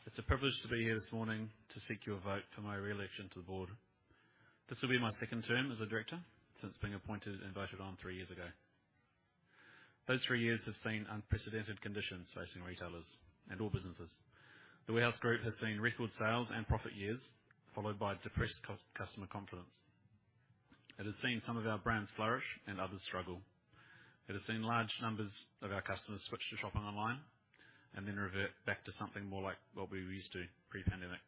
It's a privilege to be here this morning to seek your vote for my re-election to the board. This will be my second term as a director since being appointed and voted on three years ago. Those three years have seen unprecedented conditions facing retailers and all businesses. The Warehouse Group has seen record sales and profit years, followed by depressed customer confidence. It has seen some of our brands flourish and others struggle. It has seen large numbers of our customers switch to shopping online and then revert back to something more like what we were used to pre-pandemic.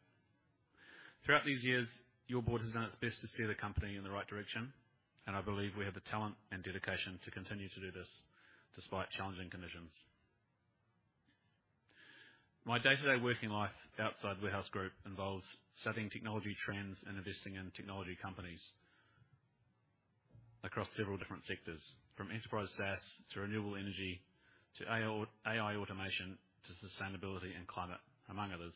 Throughout these years, your board has done its best to steer the company in the right direction, and I believe we have the talent and dedication to continue to do this despite challenging conditions. My day-to-day working life outside Warehouse Group involves studying technology trends and investing in technology companies across several different sectors, from enterprise SaaS to renewable energy to AI automation to sustainability and climate, among others.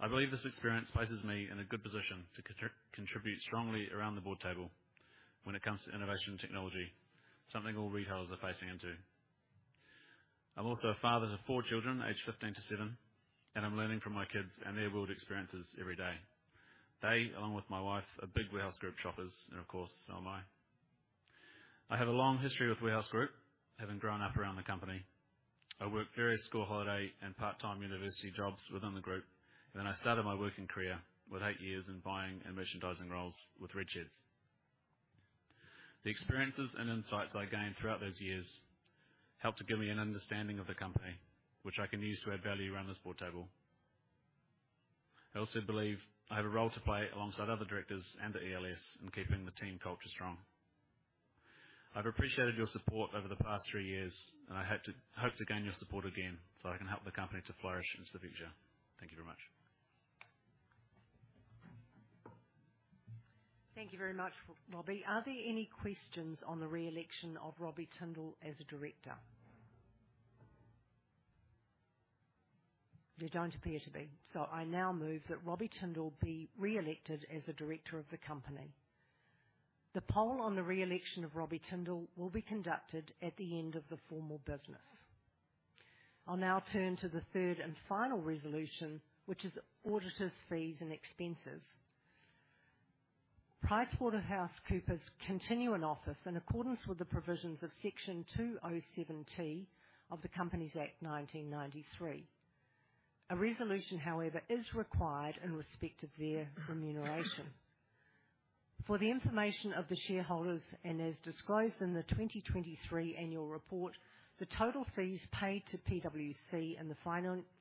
I believe this experience places me in a good position to contribute strongly around the board table when it comes to innovation and technology, something all retailers are facing into. I'm also a father to four children, aged 15-seven, and I'm learning from my kids and their world experiences every day. They, along with my wife, are big Warehouse Group shoppers, and of course, so am I. I have a long history with Warehouse Group, having grown up around the company. I worked various school holiday and part-time university jobs within the group, and then I started my working career with eight years in buying and merchandising roles with Richards. The experiences and insights I gained throughout those years helped to give me an understanding of the company, which I can use to add value around this board table. I also believe I have a role to play alongside other directors and the ELT in keeping the team culture strong. I've appreciated your support over the past three years, and I hope to gain your support again, so I can help the company to flourish into the future. Thank you very much. Thank you very much, Robbie. Are there any questions on the re-election of Robbie Tindall as a director? There don't appear to be. So I now move that Robbie Tindall be re-elected as a director of the company. The poll on the re-election of Robbie Tindall will be conducted at the end of the formal business. I'll now turn to the third and final resolution, which is auditors' fees and expenses. PricewaterhouseCoopers continue in office in accordance with the provisions of Section 207T of the Companies Act 1993. A resolution, however, is required in respect of their remuneration. For the information of the shareholders, and as disclosed in the 2023 annual report, the total fees paid to PwC in the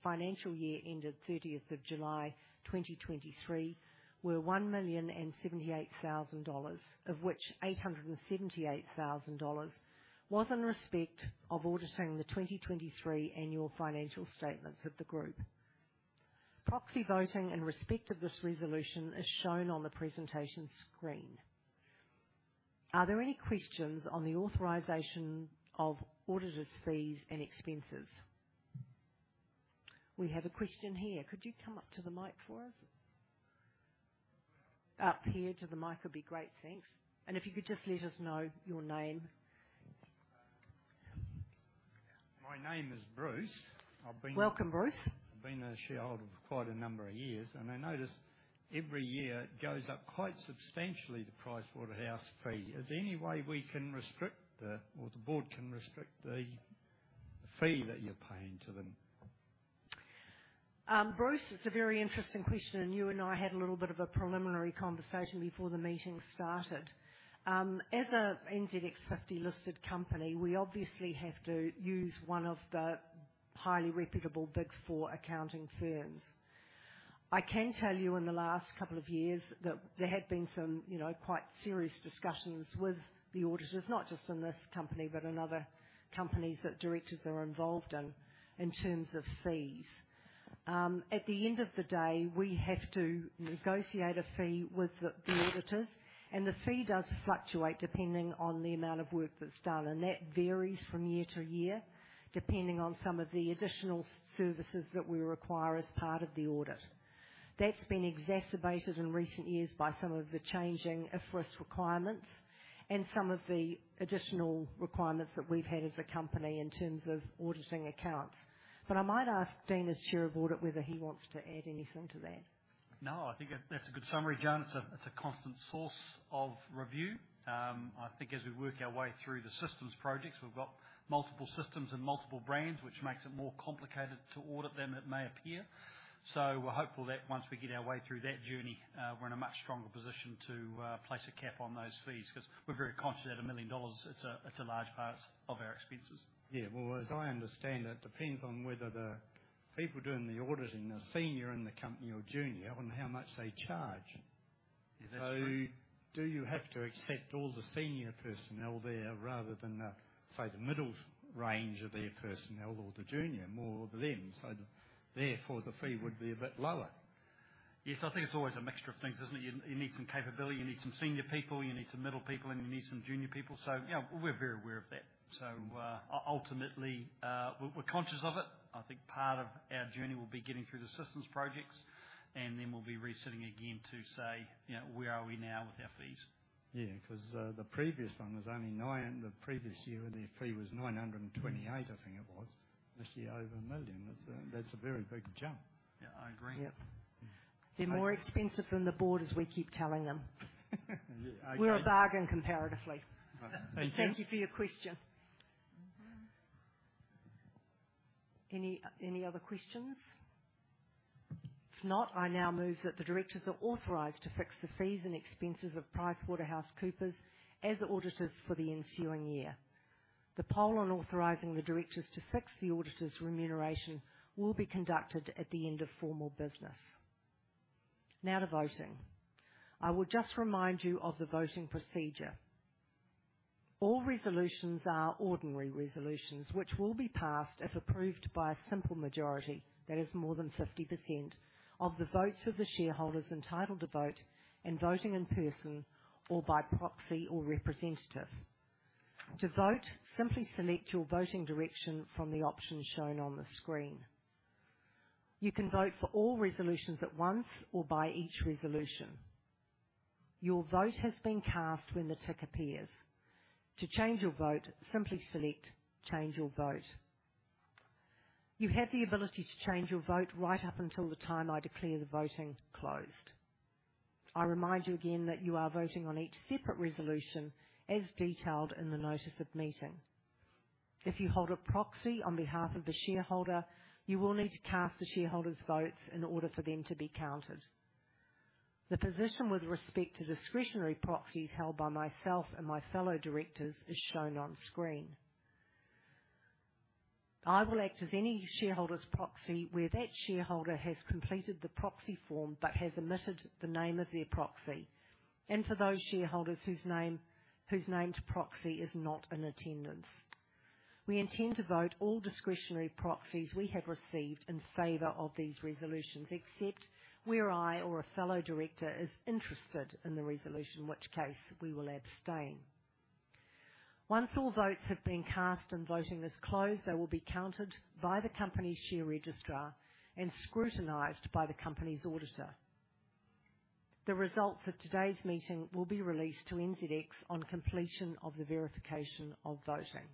financial year ended 30th of July 2023, were $1,078,000, of which $878,000 was in respect of auditing the 2023 annual financial statements of the group. Proxy voting in respect of this resolution is shown on the presentation screen. Are there any questions on the authorization of auditors' fees and expenses? We have a question here. Could you come up to the mic for us? Up here to the mic would be great, thanks. And if you could just let us know your name. My name is Bruce. I've been- Welcome, Bruce. I've been a shareholder for quite a number of years, and I notice every year it goes up quite substantially, the PricewaterhouseCoopers fee. Is there any way we can restrict the, or the board can restrict the fee that you're paying to them? Bruce, it's a very interesting question, and you and I had a little bit of a preliminary conversation before the meeting started. As a NZX 50-listed company, we obviously have to use one of the highly reputable Big Four accounting firms. I can tell you, in the last couple of years that there have been some, you know, quite serious discussions with the auditors, not just in this company, but in other companies that directors are involved in, in terms of fees. At the end of the day, we have to negotiate a fee with the auditors, and the fee does fluctuate depending on the amount of work that's done, and that varies from year to year, depending on some of the additional services that we require as part of the audit. That's been exacerbated in recent years by some of the changing IFRS requirements and some of the additional requirements that we've had as a company in terms of auditing accounts. But I might ask Dean, as Chair of Audit, whether he wants to add anything to that. No, I think that, that's a good summary, Joan. It's a, it's a constant source of review. I think as we work our way through the systems projects, we've got multiple systems and multiple brands, which makes it more complicated to audit than it may appear. So we're hopeful that once we get our way through that journey, we're in a much stronger position to place a cap on those fees, 'cause we're very conscious that$1 million, it's a, it's a large part of our expenses. Yeah. Well, as I understand, it depends on whether the people doing the auditing are senior in the company or junior, on how much they charge. Yeah, that's true. So do you have to accept all the senior personnel there rather than, say, the middle range of their personnel or the junior, more of them? So therefore, the fee would be a bit lower.... Yes, I think it's always a mixture of things, isn't it? You need some capability, you need some senior people, you need some middle people, and you need some junior people. So, yeah, we're very aware of that. So, ultimately, we're conscious of it. I think part of our journey will be getting through the systems projects, and then we'll be re-sitting again to say, you know, "Where are we now with our fees? Yeah, 'cause the previous year, their fee was 928, I think it was. This year, over 1 million. That's a very big jump. Yeah, I agree. Yep. They're more expensive than the board, as we keep telling them. Yeah, I- We're a bargain comparatively. And- Thank you for your question. Any, any other questions? If not, I now move that the directors are authorized to fix the fees and expenses of PricewaterhouseCoopers as auditors for the ensuing year. The poll on authorizing the directors to fix the auditors' remuneration will be conducted at the end of formal business. Now to voting. I will just remind you of the voting procedure. All resolutions are ordinary resolutions, which will be passed if approved by a simple majority, that is more than 50%, of the votes of the shareholders entitled to vote and voting in person or by proxy or representative. To vote, simply select your voting direction from the options shown on the screen. You can vote for all resolutions at once or by each resolution. Your vote has been cast when the tick appears. To change your vote, simply select Change Your Vote. You have the ability to change your vote right up until the time I declare the voting closed. I remind you again that you are voting on each separate resolution as detailed in the notice of meeting. If you hold a proxy on behalf of the shareholder, you will need to cast the shareholder's votes in order for them to be counted. The position with respect to discretionary proxies held by myself and my fellow directors is shown on screen. I will act as any shareholder's proxy, where that shareholder has completed the proxy form but has omitted the name of their proxy, and for those shareholders whose name, whose named proxy is not in attendance. We intend to vote all discretionary proxies we have received in favor of these resolutions, except where I or a fellow director is interested in the resolution, in which case we will abstain. Once all votes have been cast and voting is closed, they will be counted by the company's share registrar and scrutinized by the company's auditor. The results of today's meeting will be released to NZX on completion of the verification of voting.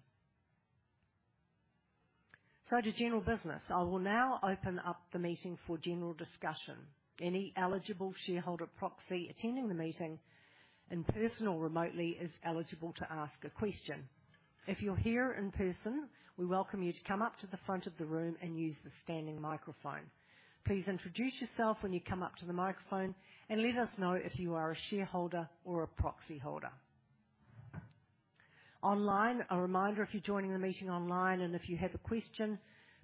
So to general business. I will now open up the meeting for general discussion. Any eligible shareholder proxy attending the meeting, in person or remotely, is eligible to ask a question. If you're here in person, we welcome you to come up to the front of the room and use the standing microphone. Please introduce yourself when you come up to the microphone and let us know if you are a shareholder or a proxyholder. Online, a reminder, if you're joining the meeting online and if you have a question,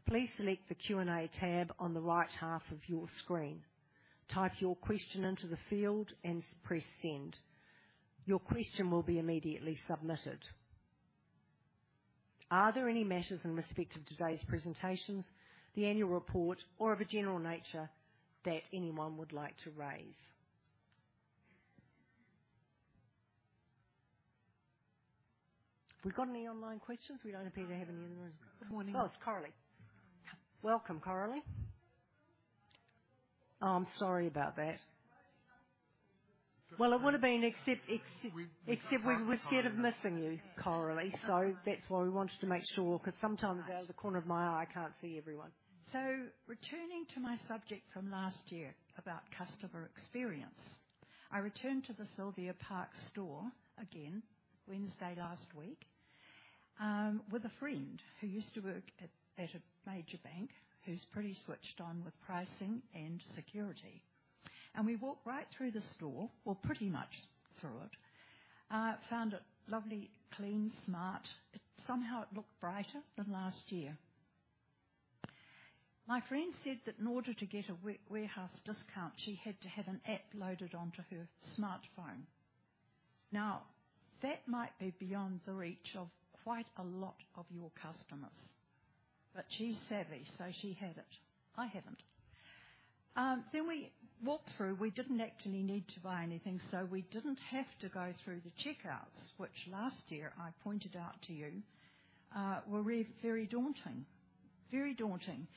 please select the Q&A tab on the right half of your screen. Type your question into the field and press Send. Your question will be immediately submitted. Are there any matters in respect of today's presentations, the annual report, or of a general nature that anyone would like to raise? We got any online questions? We don't appear to have any in the room. Good morning. Oh, it's Coralie. Welcome, Coralie. Oh, I'm sorry about that. Well, it would have been, except, except- We, we-... except we were scared of missing you, Coralie. So that's why we wanted to make sure, 'cause sometimes- Okay... out of the corner of my eye, I can't see everyone. So returning to my subject from last year about customer experience, I returned to the Sylvia Park store again, Wednesday last week, with a friend who used to work at a major bank, who's pretty switched on with pricing and security. And we walked right through the store, well, pretty much through it. Found it lovely, clean, smart. It somehow looked brighter than last year. My friend said that in order to get a Warehouse discount, she had to have an app loaded onto her smartphone. Now, that might be beyond the reach of quite a lot of your customers, but she's savvy, so she had it. I haven't. Then we walked through. We didn't actually need to buy anything, so we didn't have to go through the checkouts, which last year I pointed out to you were very daunting, very daunting.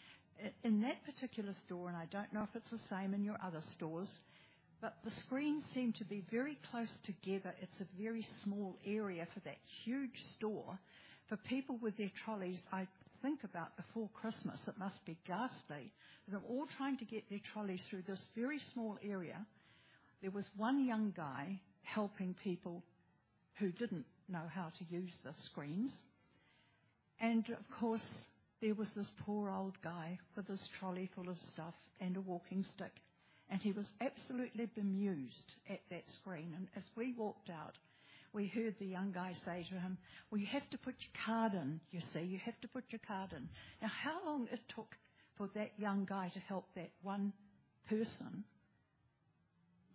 In that particular store, and I don't know if it's the same in your other stores, but the screens seem to be very close together. It's a very small area for that huge store. For people with their trolleys, I think about before Christmas, it must be ghastly. They're all trying to get their trolleys through this very small area. There was one young guy helping people who didn't know how to use the screens. And, of course, there was this poor old guy with this trolley full of stuff and a walking stick, and he was absolutely bemused at that screen. And as we walked out, we heard the young guy say to him, "Well, you have to put your card in, you see, you have to put your card in." Now, how long it took for that young guy to help that one person?...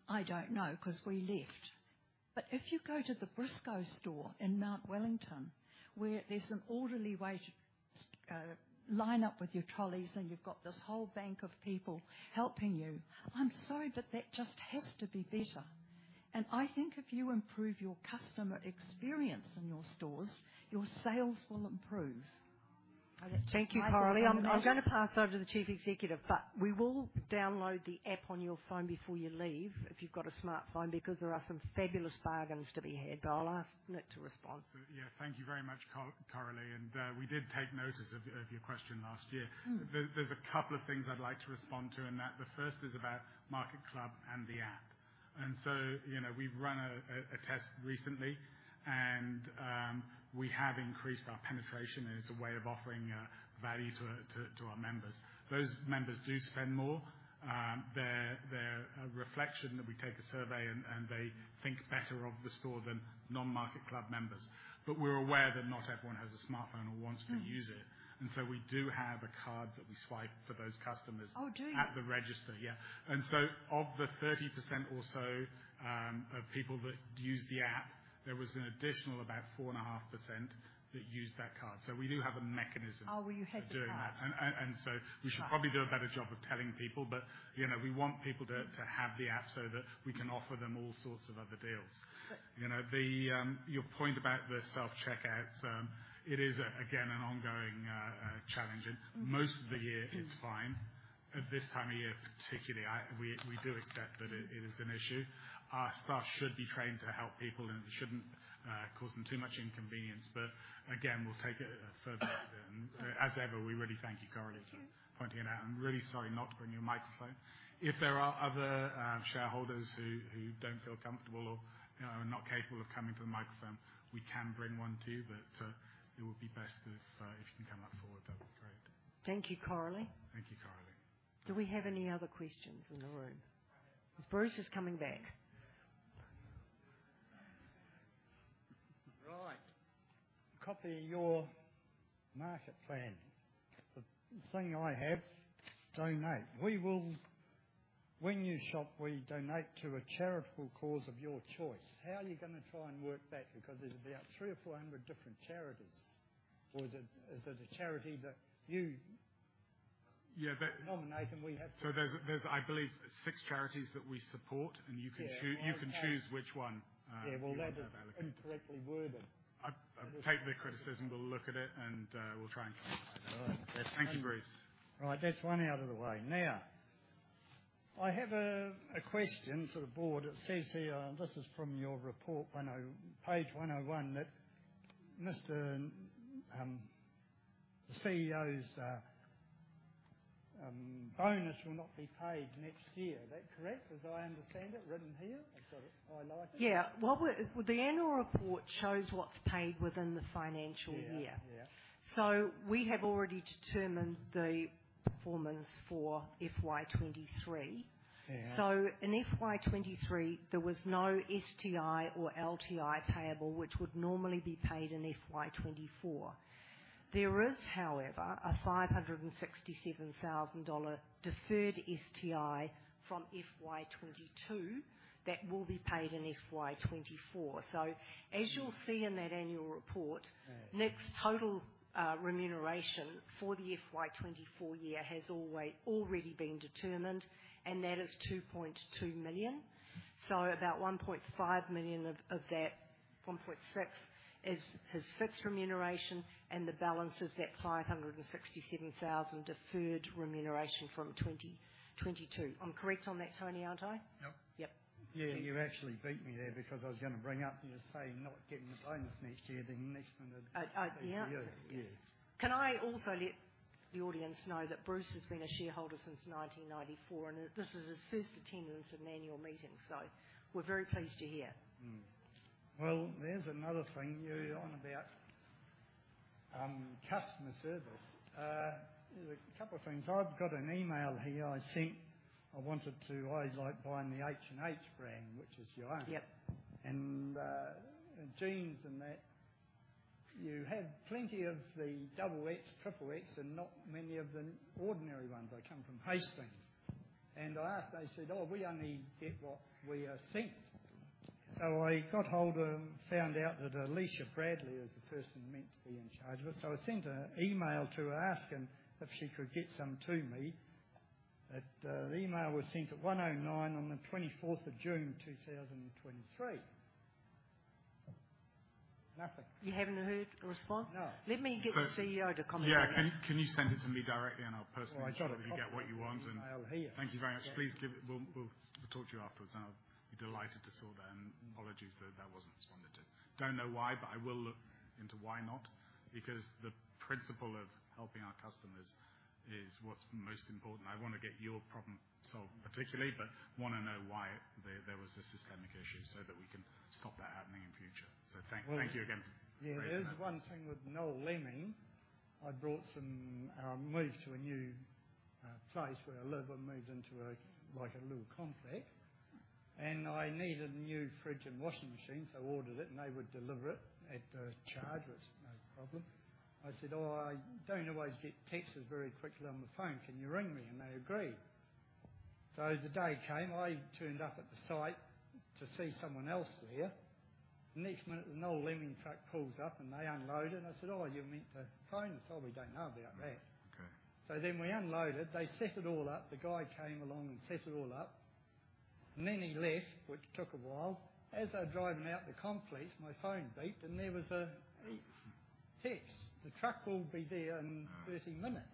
I don't know, 'cause we left. But if you go to the Briscoes store in Mount Wellington, where there's an orderly way to line up with your trolleys, and you've got this whole bank of people helping you, I'm sorry, but that just has to be better. And I think if you improve your customer experience in your stores, your sales will improve. Thank you, Caroline. I'm gonna pass over to the Chief Executive, but we will download the app on your phone before you leave if you've got a smartphone, because there are some fabulous bargains to be had. But I'll ask Nick to respond. So yeah, thank you very much, Coralie. And we did take notice of your question last year. Mm. There, there's a couple of things I'd like to respond to in that. The first is about MarketClub and the app. And so, you know, we've run a test recently, and we have increased our penetration, and it's a way of offering value to our members. Those members do spend more. They're a reflection that we take a survey, and they think better of the store than non-MarketClub members. But we're aware that not everyone has a smartphone or wants to use it. Mm. We do have a card that we swipe for those customers- Oh, do you? -at the register. Yeah. And so of the 30% or so of people that use the app, there was an additional about 4.5% that used that card. So we do have a mechanism- Oh, well, you had to try. for doing that. And so we should probably do a better job of telling people. But, you know, we want people to have the app so that we can offer them all sorts of other deals. Good. You know, your point about the self-checkouts, it is, again, an ongoing challenge, and- Mm-hmm Most of the year, it's fine. At this time of year, particularly, we do accept that it is an issue. Our staff should be trained to help people and shouldn't cause them too much inconvenience. But again, we'll take it further. As ever, we really thank you, Coralie, for pointing it out. I'm really sorry not to bring you a microphone. If there are other shareholders who don't feel comfortable or, you know, are not capable of coming to the microphone, we can bring one to you, but it would be best if you can come up forward, that would be great. Thank you, Carolyn. Thank you, Coralie. Do we have any other questions in the room? Is Bruce just coming back? Right. Copy your market plan. The thing I have, donate. We will—when you shop, we donate to a charitable cause of your choice. How are you gonna try and work that? Because there's about 300 or 400 different charities. Or is it—is there a charity that you- Yeah, that- nominate, and we have to So there's, I believe, six charities that we support, and you can choo- Yeah, I- You can choose which one that you would like. Yeah, well, that is incorrectly worded. I take the criticism. We'll look at it, and we'll try and correct it. All right, that's- Thank you, Bruce. Right, that's one out of the way. Now, I have a question for the board. It says here, and this is from your report 10... Page 101, that Mr., the CEO's bonus will not be paid next year. Is that correct, as I understand it, written here? I've got it highlighted. Yeah. Well, the annual report shows what's paid within the financial year. Yeah, yeah. We have already determined the performance for FY 2023. Yeah. In FY 2023, there was no STI or LTI payable, which would normally be paid in FY 2024. There is, however, a $567,000 deferred STI from FY 2022 that will be paid in FY 2024. As you'll see in that annual report- Yeah... Nick's total remuneration for the FY 2024 year has already been determined, and that is 2.2 million. about 1.5 million of that, 1.6, is his fixed remuneration, and the balance is that 567,000 deferred remuneration from 2022. I'm correct on that, Tony, aren't I? Yep. Yep. Yeah, you actually beat me there because I was gonna bring up you saying not getting a bonus next year, then next one that- Yeah. Yeah. Can I also let the audience know that Bruce has been a shareholder since 1994, and this is his first attendance at an annual meeting, so we're very pleased you're here. Well, there's another thing you're on about, customer service. There's a couple of things. I've got an email here. I think I wanted to... I like buying the H&H brand, which is your own. Yep. And, jeans and that. You have plenty of the double X, triple X, and not many of the ordinary ones. I come from Hastings, and I asked. They said, "Oh, we only get what we are sent." So I got hold and found out that Aleisha Bradley is the person meant to be in charge of it. So I sent an email to her asking if she could get some to me. That, the email was sent at 1:09 on the twenty-fourth of June, 2023. Nothing. You haven't heard a response? No. Let me get the CEO to comment. Yeah. Can you send it to me directly, and I'll personally- I got it. Try to get what you want and I've got the email here. Thank you very much. We'll talk to you afterwards, and I'll be delighted to sort that, and apologies that that wasn't responded to. Don't know why, but I will look into why not, because the principle of helping our customers is what's most important. I want to get your problem solved, particularly, but want to know why there was a systemic issue so that we can stop that happening in future. So thank you again. Yeah, there's one thing with Noel Leeming. I bought some. I moved to a new place where I live, but moved into a, like, a little complex, and I needed a new fridge and washing machine, so I ordered it, and they would deliver it at a charge, was no problem. I said, "Oh, I don't always get texts very quickly on the phone. Can you ring me?" And they agreed. So the day came, I turned up at the site to see someone else there. Next minute, the Noel Leeming truck pulls up, and they unload it, and I said, "Oh, you were meant to phone us. Oh, we don't know about that. Okay. So then we unloaded. They set it all up. The guy came along and set it all up. Then he left, which took a while. As I was driving out the complex, my phone beeped, and there was a text, "The truck will be there in 30 minutes.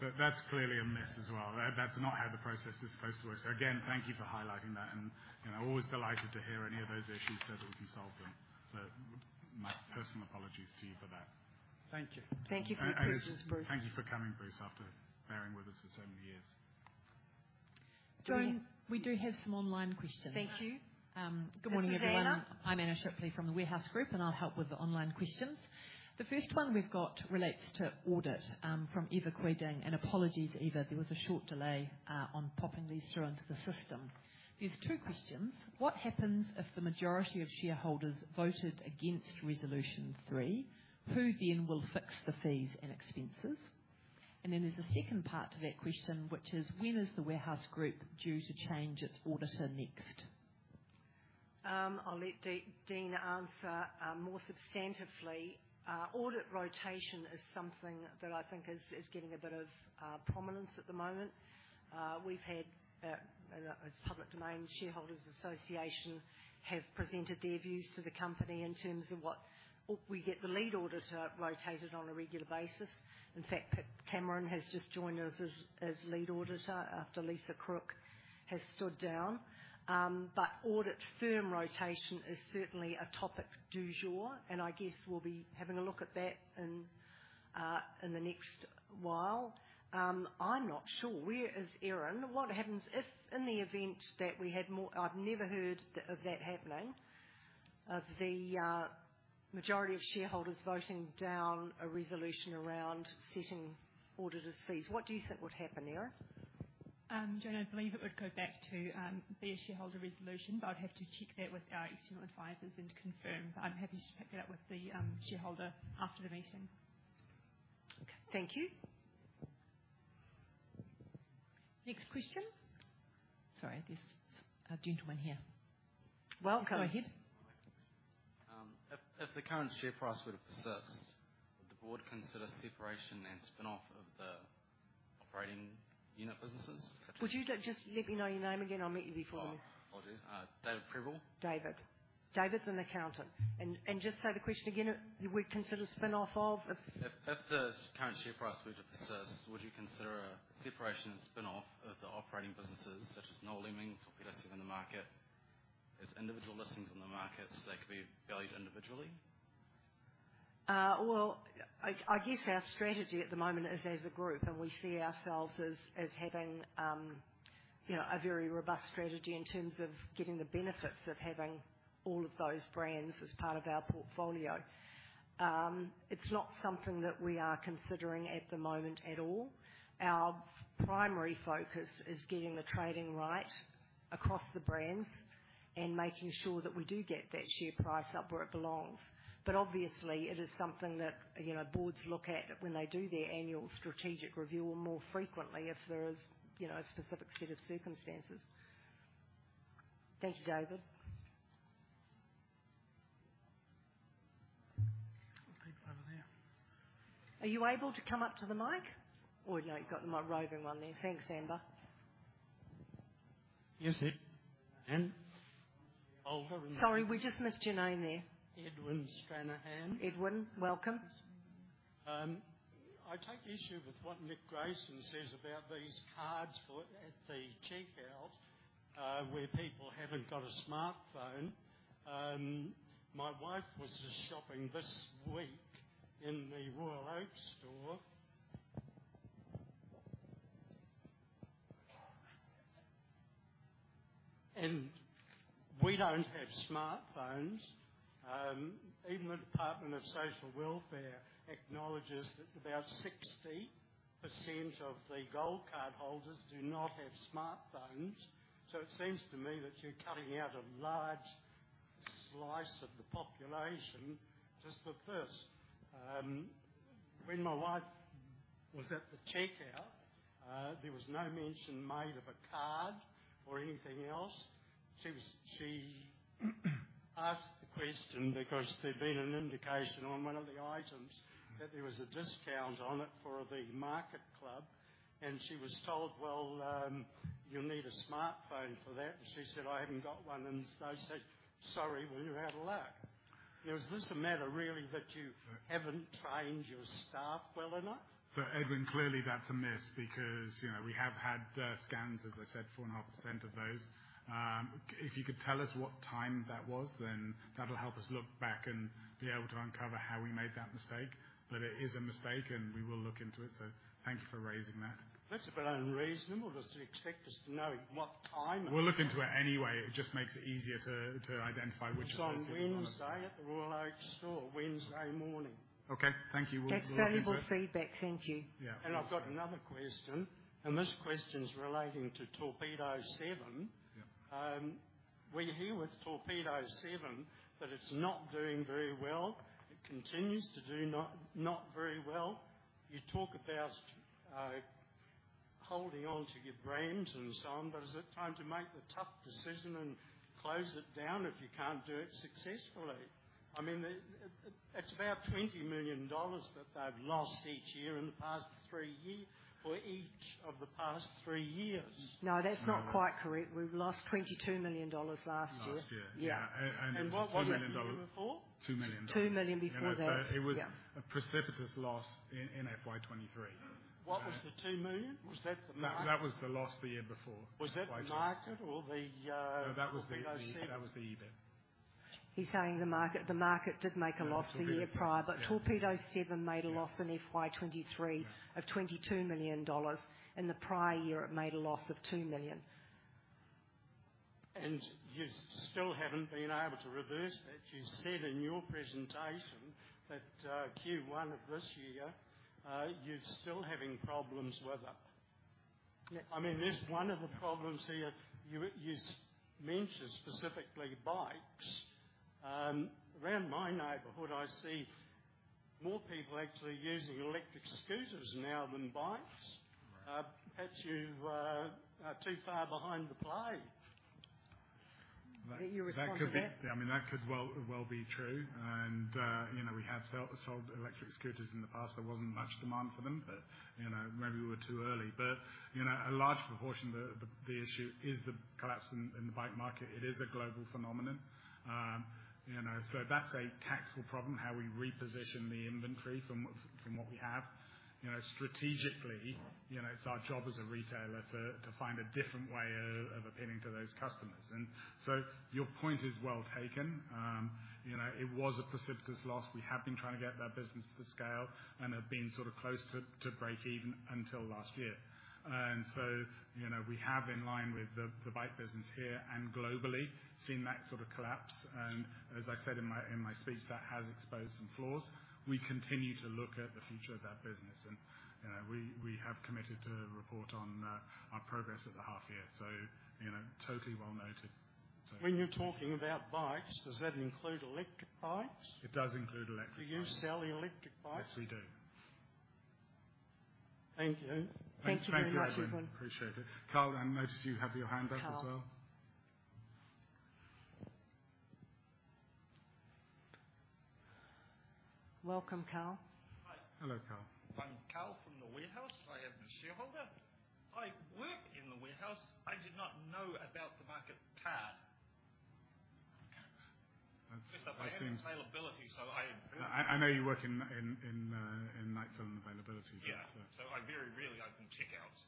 So that's clearly a miss as well. That, that's not how the process is supposed to work. So again, thank you for highlighting that, and, you know, always delighted to hear any of those issues so that we can solve them. So my personal apologies to you for that. Thank you. Thank you for your patience, Bruce. Thank you for coming, Bruce, after bearing with us for so many years. Jo? We do have some online questions. Thank you. Good morning, everyone. This is Anna. I'm Anna Shipley from The Warehouse Group, and I'll help with the online questions. The first one we've got relates to audit from Eva Quiding. Apologies, Eva, there was a short delay on popping these through into the system. There's two questions: What happens if the majority of shareholders voted against Resolution Three? Who then will fix the fees and expenses? And then there's a second part to that question, which is: When is The Warehouse Group due to change its auditor next? I'll let Dean answer more substantively. Audit rotation is something that I think is getting a bit of prominence at the moment. We've had, it's public domain, Shareholders Association have presented their views to the company in terms of what... we get the lead auditor rotated on a regular basis. In fact, Pip Cameron has just joined us as lead auditor after Lisa Crooke has stood down. But audit firm rotation is certainly a topic du jour, and I guess we'll be having a look at that in the next while. I'm not sure. Where is Erin? What happens if in the event that we had more... I've never heard the, of that happening, of the, majority of shareholders voting down a resolution around setting auditors' fees. What do you think would happen, Erin? Joanna, I believe it would go back to be a shareholder resolution, but I'd have to check that with our external advisors and confirm. But I'm happy to check that with the shareholder after the meeting. Okay. Thank you. Next question? Sorry, there's a gentleman here. Welcome. Go ahead. If the current share price were to persist, would the board consider separation and spin-off of the operating unit businesses? Would you just let me know your name again? I've met you before. Oh, apologies. David Prebble. David. David's an accountant. And just say the question again, we'd consider spin-off of a- If the current share price were to persist, would you consider a separation and spin-off of the operating businesses, such as Noel Leeming, Torpedo7, the market, as individual listings on the market, so they could be valued individually? Well, I guess our strategy at the moment is as a group, and we see ourselves as having, you know, a very robust strategy in terms of getting the benefits of having all of those brands as part of our portfolio. It's not something that we are considering at the moment at all. Our primary focus is getting the trading right across the brands and making sure that we do get that share price up where it belongs. But obviously, it is something that, you know, boards look at when they do their annual strategic review, or more frequently, if there is, you know, a specific set of circumstances. Thank you, David. People over there. Are you able to come up to the mic? Oh, yeah, you've got my roving one there. Thanks, Amber. Yes, and older and- Sorry, we just missed your name there. Edwin Stranahan. Edwin, welcome. I take issue with what Nick Grayston says about these cards for at the checkout, where people haven't got a smartphone. My wife was just shopping this week in the Royal Oak store. And we don't have smartphones. Even the Department of Social Welfare acknowledges that about 60% of the Gold Card holders do not have smartphones. So it seems to me that you're cutting out a large slice of the population just for this. When my wife was at the checkout, there was no mention made of a card or anything else. She asked the question because there'd been an indication on one of the items that there was a discount on it for the marketClub. She was told, "Well, you'll need a smartphone for that." She said, "I haven't got one," and so they said, "Sorry, well, you're out of luck." Now, is this a matter really that you haven't trained your staff well enough? So, Edwin, clearly that's a miss, because, you know, we have had scans, as I said, 4.5% of those. If you could tell us what time that was, then that'll help us look back and be able to uncover how we made that mistake. But it is a mistake, and we will look into it, so thank you for raising that. That's a bit unreasonable just to expect us to know what time it- We'll look into it anyway. It just makes it easier to identify which- It was on Wednesday at the Royal Oak store, Wednesday morning. Okay. Thank you. We'll- That's valuable feedback. Thank you. Yeah. I've got another question, and this question is relating to Torpedo7. Yep.... We hear with Torpedo7 that it's not doing very well. It continues to do not very well. You talk about holding on to your brands and so on, but is it time to make the tough decision and close it down if you can't do it successfully? I mean, it's about $20 million No, that's not quite correct. We've lost $22 million last year. Last year. Yeah. It was $2 million- What was it the year before? $2 million. 2 million before that. It was a precipitous loss in FY 2023. What was the 2 million? Was that the market? That was the loss the year before. Was that the market or the Torpedo7? No, that was the event. He's saying the market. the market did make a loss the year prior- Yeah. But Torpedo7 made a loss- Yes in FY 2023 of $22 million. In the prior year, it made a loss of 2 million. You still haven't been able to reverse that. You said in your presentation that, Q1 of this year, you're still having problems with it. Yeah. I mean, there's one of the problems here. You mentioned specifically bikes. Around my neighborhood, I see more people actually using electric scooters now than bikes. Right. Perhaps you've too far behind the play. Your response to that? That could be... I mean, that could well, well be true. And, you know, we have sold, sold electric scooters in the past. There wasn't much demand for them, but, you know, maybe we were too early. But, you know, a large proportion of the, the, the issue is the collapse in, in the bike market. It is a global phenomenon. You know, so that's a tactical problem, how we reposition the inventory from what, from what we have. You know, strategically, you know, it's our job as a retailer to, to find a different way of, of appealing to those customers. And so your point is well taken. You know, it was a precipitous loss. We have been trying to get that business to scale and have been sort of close to, to breakeven until last year. And so, you know, we have, in line with the bike business here and globally, seen that sort of collapse. As I said in my speech, that has exposed some flaws. We continue to look at the future of that business, and, you know, we have committed to report on our progress at the half year. So, you know, totally well noted. When you're talking about bikes, does that include electric bikes? It does include electric bikes. Do you sell electric bikes? Yes, we do. Thank you. Thank you very much, Edwin. Thanks. Thank you, Edwin. Appreciate it. Carl, I noticed you have your hand up as well. Carl. Welcome, Carl. Hi. Hello, Carl. I'm Carl from The Warehouse. I am a shareholder. I work in The Warehouse. I did not know about the market card. That's, I think- I have availability, so I- I know you work in item availability. Yeah. So- So I very rarely open checkouts.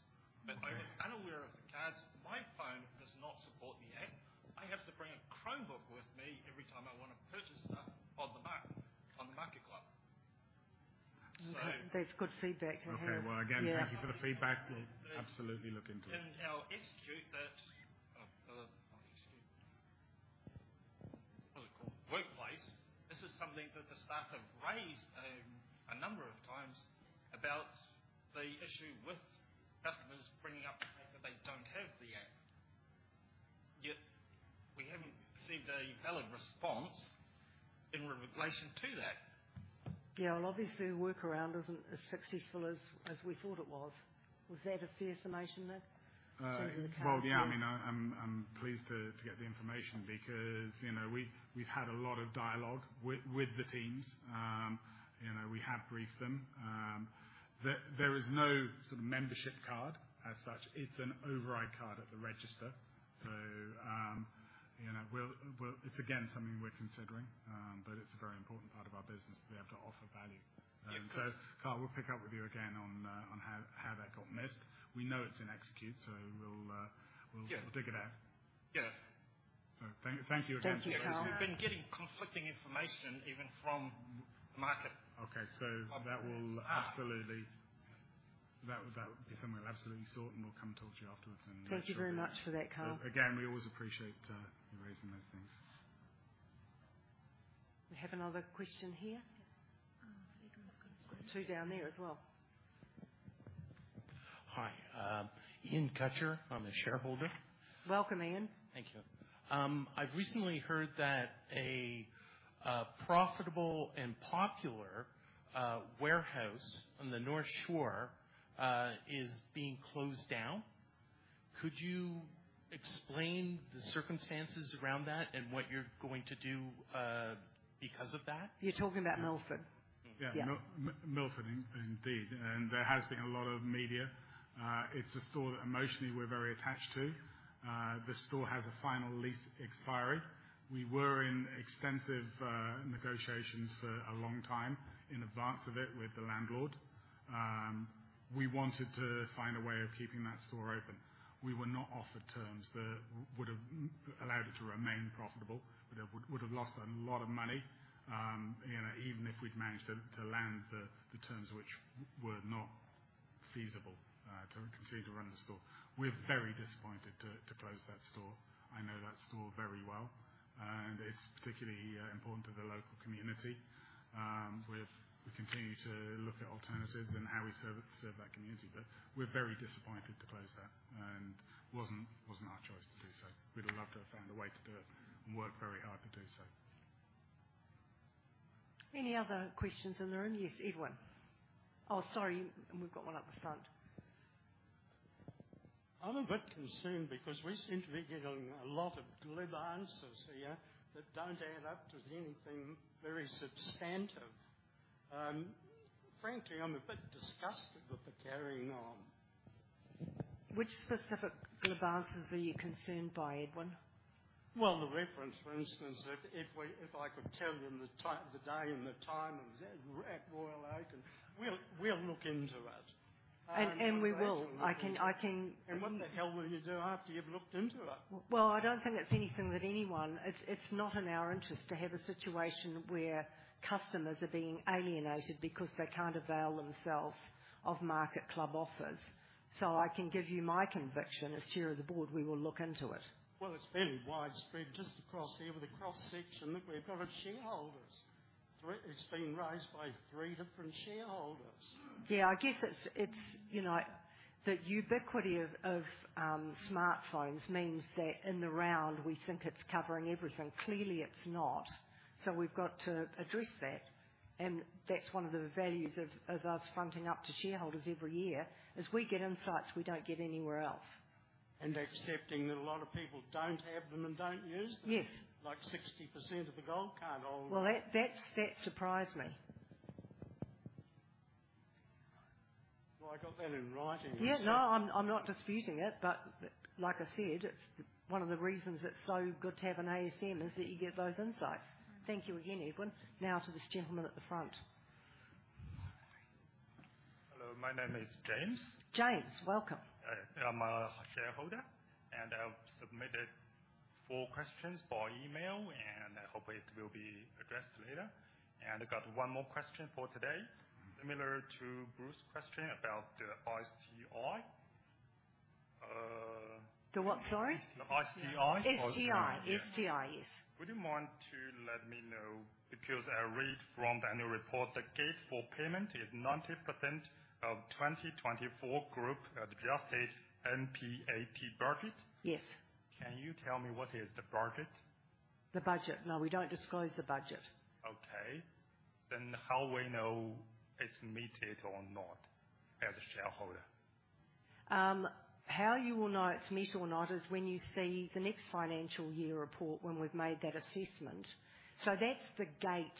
But I am unaware of the cards. My phone does not support the app. I have to bring a Chromebook with me every time I want to purchase stuff on the mark, on the marketClub. So- That's good feedback to hear. Okay. Well, again, thank you for the feedback. We'll absolutely look into it. In our Workplace, this is something that the staff have raised a number of times about the issue with customers bringing up the fact that they don't have the app. Yet, we haven't received a valid response in relation to that. Yeah, well, obviously, the workaround isn't as successful as we thought it was. Was that a fair summation, then, Samuel...? Well, yeah. I mean, I'm pleased to get the information because, you know, we've had a lot of dialogue with the teams. You know, we have briefed them. There is no sort of membership card as such. It's an override card at the register. So, you know, we'll... It's again, something we're considering, but it's a very important part of our business to be able to offer value. Yeah. So, Carl, we'll pick up with you again on how that got missed. We know it's in execute, so we'll- Yeah. Dig it out. Yeah. Thank you again. Thank you, Carl. We've been getting conflicting information even from the market. Okay. So that will absolutely- Uh. that, that is something we'll absolutely sort, and we'll come talk to you afterwards and Thank you very much for that, Carolyn. Again, we always appreciate you raising those things. We have another question here. I think we've got two. Two down there as well. Hi, Ian Kutcher. I'm a shareholder. Welcome, Ian. Thank you. I've recently heard that a profitable and popular Warehouse on the North Shore is being closed down. Could you explain the circumstances around that and what you're going to do because of that? You're talking about Milford? Yeah. Yeah. Milford, indeed, and there has been a lot of media. It's a store that emotionally we're very attached to. The store has a final lease expiry. We were in extensive negotiations for a long time in advance of it with the landlord. We wanted to find a way of keeping that store open. We were not offered terms that would've allowed it to remain profitable, but it would've lost a lot of money, you know, even if we'd managed to land the terms, which were not feasible to continue to run the store. We're very disappointed to close that store. I know that store very well... and it's particularly important to the local community. We've continue to look at alternatives and how we serve that community, but we're very disappointed to close that, and it wasn't our choice to do so. We'd have loved to have found a way to do it and worked very hard to do so. Any other questions in the room? Yes, Edwin. Oh, sorry, we've got one at the front. I'm a bit concerned because we seem to be getting a lot of glib answers here that don't add up to anything very substantive. Frankly, I'm a bit disgusted with the carrying on. Which specific glib answers are you concerned by, Edwin? Well, the reference, for instance, if I could tell you the day and the time of at Royal Oak, and we'll look into it. And we will. I can- What the hell will you do after you've looked into it? Well, I don't think it's anything that anyone... It's, it's not in our interest to have a situation where customers are being alienated because they can't avail themselves of MarketClub offers. So I can give you my conviction as Chair of the Board, we will look into it. Well, it's very widespread, just across here with the cross-section. Look, we've got shareholders. three-- It's been raised by three different shareholders. Yeah, I guess it's, you know, the ubiquity of smartphones means that in the round, we think it's covering everything. Clearly, it's not, so we've got to address that, and that's one of the values of us fronting up to shareholders every year, is we get insights we don't get anywhere else. Accepting that a lot of people don't have them and don't use them? Yes. Like 60% of the gold card holders. Well, that stat surprised me. Well, I got that in writing. Yeah, no, I'm not disputing it, but like I said, it's one of the reasons it's so good to have an ASM, is that you get those insights. Thank you again, Edwin. Now to this gentleman at the front. Hello, my name is James. James, welcome. I'm a shareholder, and I've submitted four questions by email, and I hope it will be addressed later. I got one more question for today, similar to Bruce's question about the STI. The what, sorry? The STI. STI. STI, yes. Would you mind to let me know, because I read from the annual report, the gate for payment is 90% of 2024 group adjusted NPAT budget? Yes. Can you tell me what is the budget? The budget. No, we don't disclose the budget. Okay, then how we know it's meted or not as a shareholder? How you will know it's met or not is when you see the next financial year report when we've made that assessment. So that's the gate,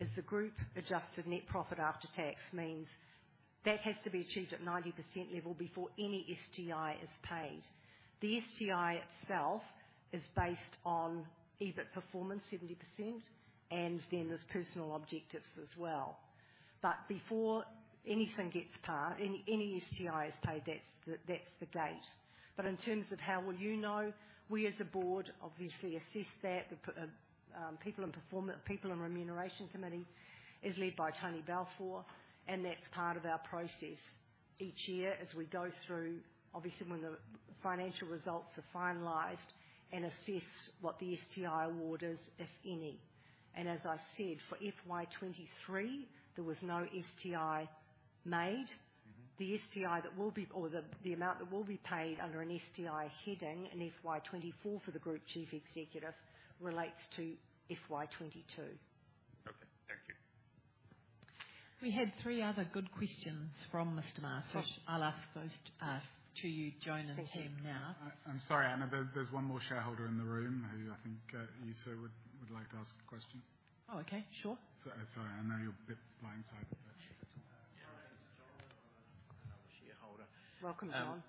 is the group adjusted net profit after tax, means that has to be achieved at 90% level before any STI is paid. The STI itself is based on EBIT performance, 70%, and then there's personal objectives as well. But before anything gets paid, any STI is paid, that's the gate. But in terms of how will you know, we as a board obviously assess that. The People and Remuneration Committee is led by Tony Balfour, and that's part of our process. Each year, as we go through, obviously, when the financial results are finalized and assess what the STI award is, if any. As I said, for FY 2023, there was no STI made. Mm-hmm. The STI that will be, or the amount that will be paid under an STI heading in FY 2024 for the Group Chief Executive, relates to FY 2022. Okay, thank you. We had three other good questions from Mr. Marsh. I'll ask those to you, Joan, and the team now. I'm sorry, Anna, there, there's one more shareholder in the room who I think also would like to ask a question. Oh, okay. Sure. Sorry, I know you're a bit blindsided by that. My name is John, I'm a shareholder. Welcome, John.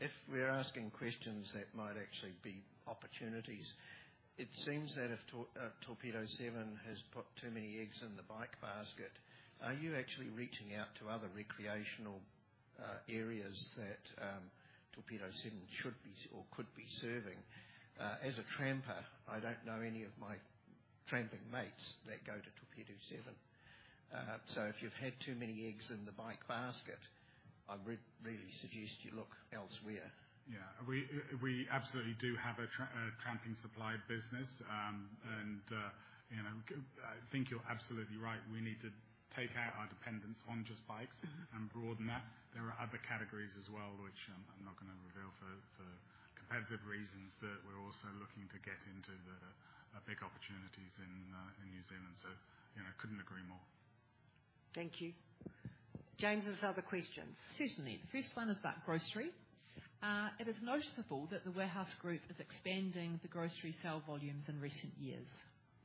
If we're asking questions, that might actually be opportunities. It seems that if Torpedo7 has put too many eggs in the bike basket, are you actually reaching out to other recreational areas that Torpedo7 should be, or could be serving? So if you've had too many eggs in the bike basket, I'd really suggest you look elsewhere. Yeah, we absolutely do have a tramping supply business. And you know, I think you're absolutely right. We need to take out our dependence on just bikes- Mm-hmm. And broaden that. There are other categories as well, which I'm not gonna reveal for competitive reasons, but we're also looking to get into the big opportunities in New Zealand. So, you know, couldn't agree more. Thank you. James' other questions. Certainly. The first one is about grocery. It is noticeable that The Warehouse Group is expanding the grocery sale volumes in recent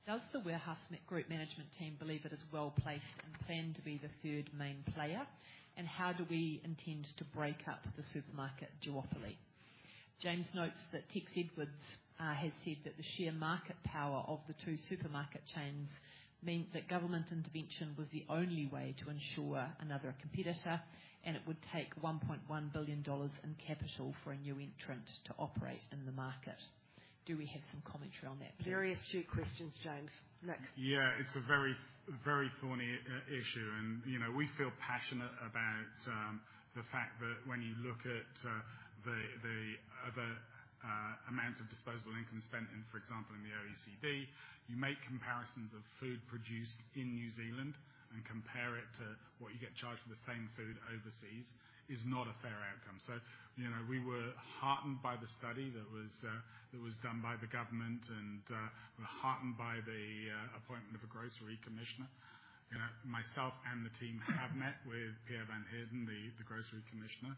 years. Does The Warehouse Group management team believe it is well-placed and planned to be the third main player? And how do we intend to break up the supermarket duopoly? James notes that Tex Edwards has said that the sheer market power of the two supermarket chains meant that government intervention was the only way to ensure another competitor, and it would take 1.1 billion dollars in capital for a new entrant to operate in The Market. Do we have some commentary on that, please? Very astute questions, James. Nick? Yeah, it's a very, very thorny issue and, you know, we feel passionate about the fact that when you look at the amounts of disposable income spent in, for example, in the OECD, you make comparisons of food produced in New Zealand and compare it to what you get charged for the same food overseas, is not a fair outcome. So, you know, we were heartened by the study that was done by the government, and we're heartened by the appointment of a Grocery Commissioner. You know, myself and the team have met with Pierre van Heerden, the Grocery Commissioner,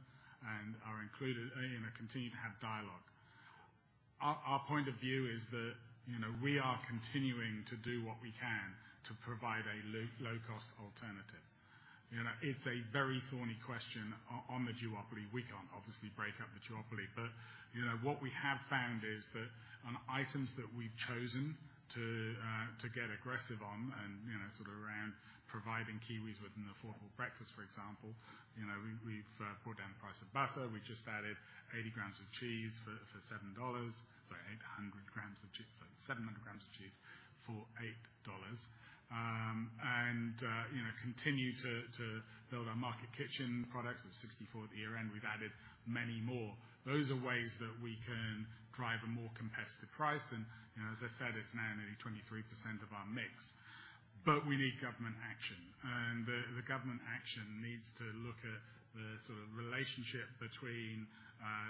and are included, and, you know, continue to have dialogue. Our point of view is that, you know, we are continuing to do what we can to provide a low-cost alternative. You know, it's a very thorny question on the duopoly. We can't obviously break up the duopoly, but, you know, what we have found is that on items that we've chosen to get aggressive on and, you know, sort of around providing Kiwis with an affordable breakfast, for example, you know, we've brought down the price of butter. We just added 80 grams of cheese for 7 dollars. Sorry, 800 grams of cheese. Sorry, 700 grams of cheese for 8 dollars. And, you know, continue to build our Market Kitchen products. There's 64 at the year end, we've added many more. Those are ways that we can drive a more competitive price and, you know, as I said, it's now nearly 23% of our mix. But we need government action, and the government action needs to look at the sort of relationship between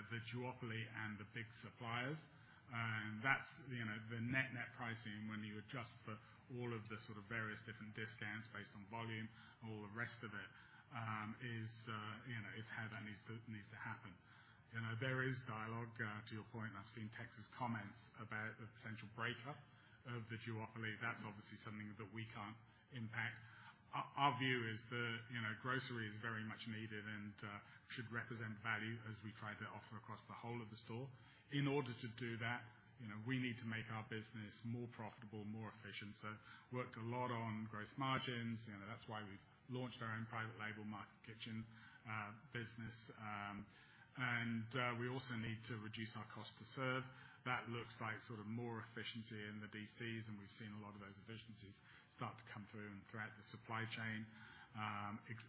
the duopoly and the big suppliers. And that's, you know, the net, net pricing, when you adjust for all of the sort of various different discounts based on volume, all the rest of it, is, you know, how that needs to happen. You know, there is dialogue to your point, I've seen Tex's comments about the potential breakup of the duopoly. That's obviously something that we can't impact. Our view is that, you know, grocery is very much needed and should represent value as we try to offer across the whole of the store. In order to do that, you know, we need to make our business more profitable, more efficient. So worked a lot on gross margins, you know, that's why we've launched our own private label, Market Kitchen, business. And we also need to reduce our cost to serve. That looks like sort of more efficiency in the DCs, and we've seen a lot of those efficiencies start to come through and throughout the supply chain.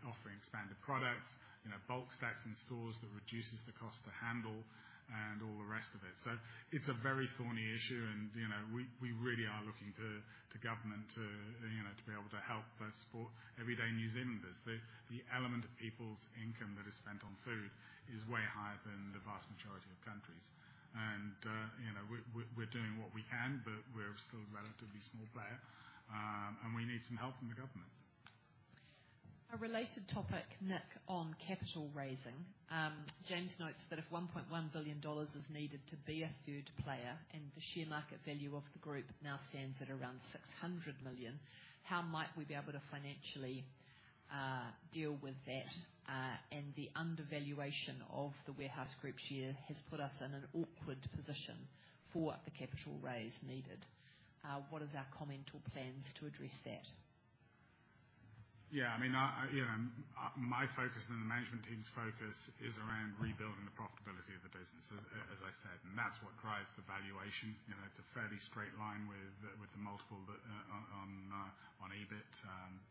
Offering expanded products, you know, bulk stacks in stores that reduces the cost to handle and all the rest of it. So it's a very thorny issue, and, you know, we really are looking to government to, you know, to be able to help us support everyday New Zealanders. The element of people's income that is spent on food is way higher than the vast majority of countries. You know, we're doing what we can, but we're still a relatively small player, and we need some help from the government. A related topic, Nick, on capital raising. James notes that if 1.1 billion dollars is needed to be a third player, and the share market value of the group now stands at around 600 million, how might we be able to financially, deal with that? And the undervaluation of The Warehouse Group share has put us in an awkward position for the capital raise needed. What is our comment or plans to address that? Yeah, I mean, you know, my focus and the management team's focus is around rebuilding the profitability of the business, as I said, and that's what drives the valuation. You know, it's a fairly straight line with the multiple that on EBIT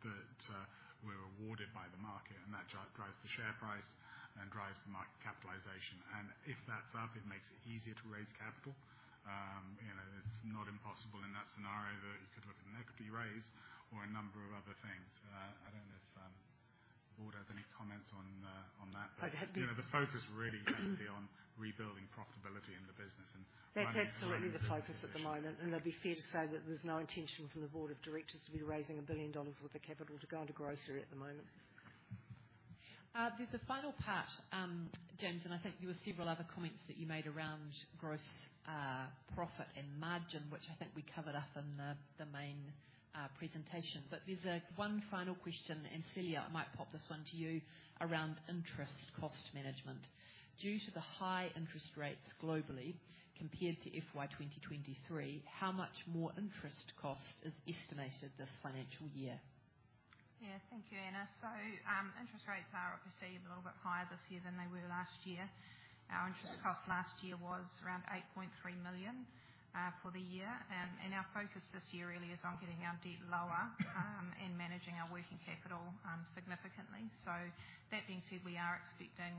that we're awarded by the market, and that drives the share price and drives the market capitalization. And if that's up, it makes it easier to raise capital. You know, it's not impossible in that scenario that you could look at an equity raise or a number of other things. I don't know if the board has any comments on that? I have been- You know, the focus really needs to be on rebuilding profitability in the business and- That's absolutely the focus at the moment, and it'd be fair to say that there's no intention from the board of directors to be raising $1 billion worth of capital to go into grocery at the moment. There's a final part, James, and I think there were several other comments that you made around gross profit and margin, which I think we covered off in the main presentation. But there's one final question, and, Celia, I might pop this one to you around interest cost management. Due to the high interest rates globally compared to FY 2023, how much more interest cost is estimated this financial year? Yeah. Thank you, Anna. So, interest rates are obviously a little bit higher this year than they were last year. Our interest cost last year was around 8.3 million for the year. And our focus this year really is on getting our debt lower and managing our working capital significantly. So that being said, we are expecting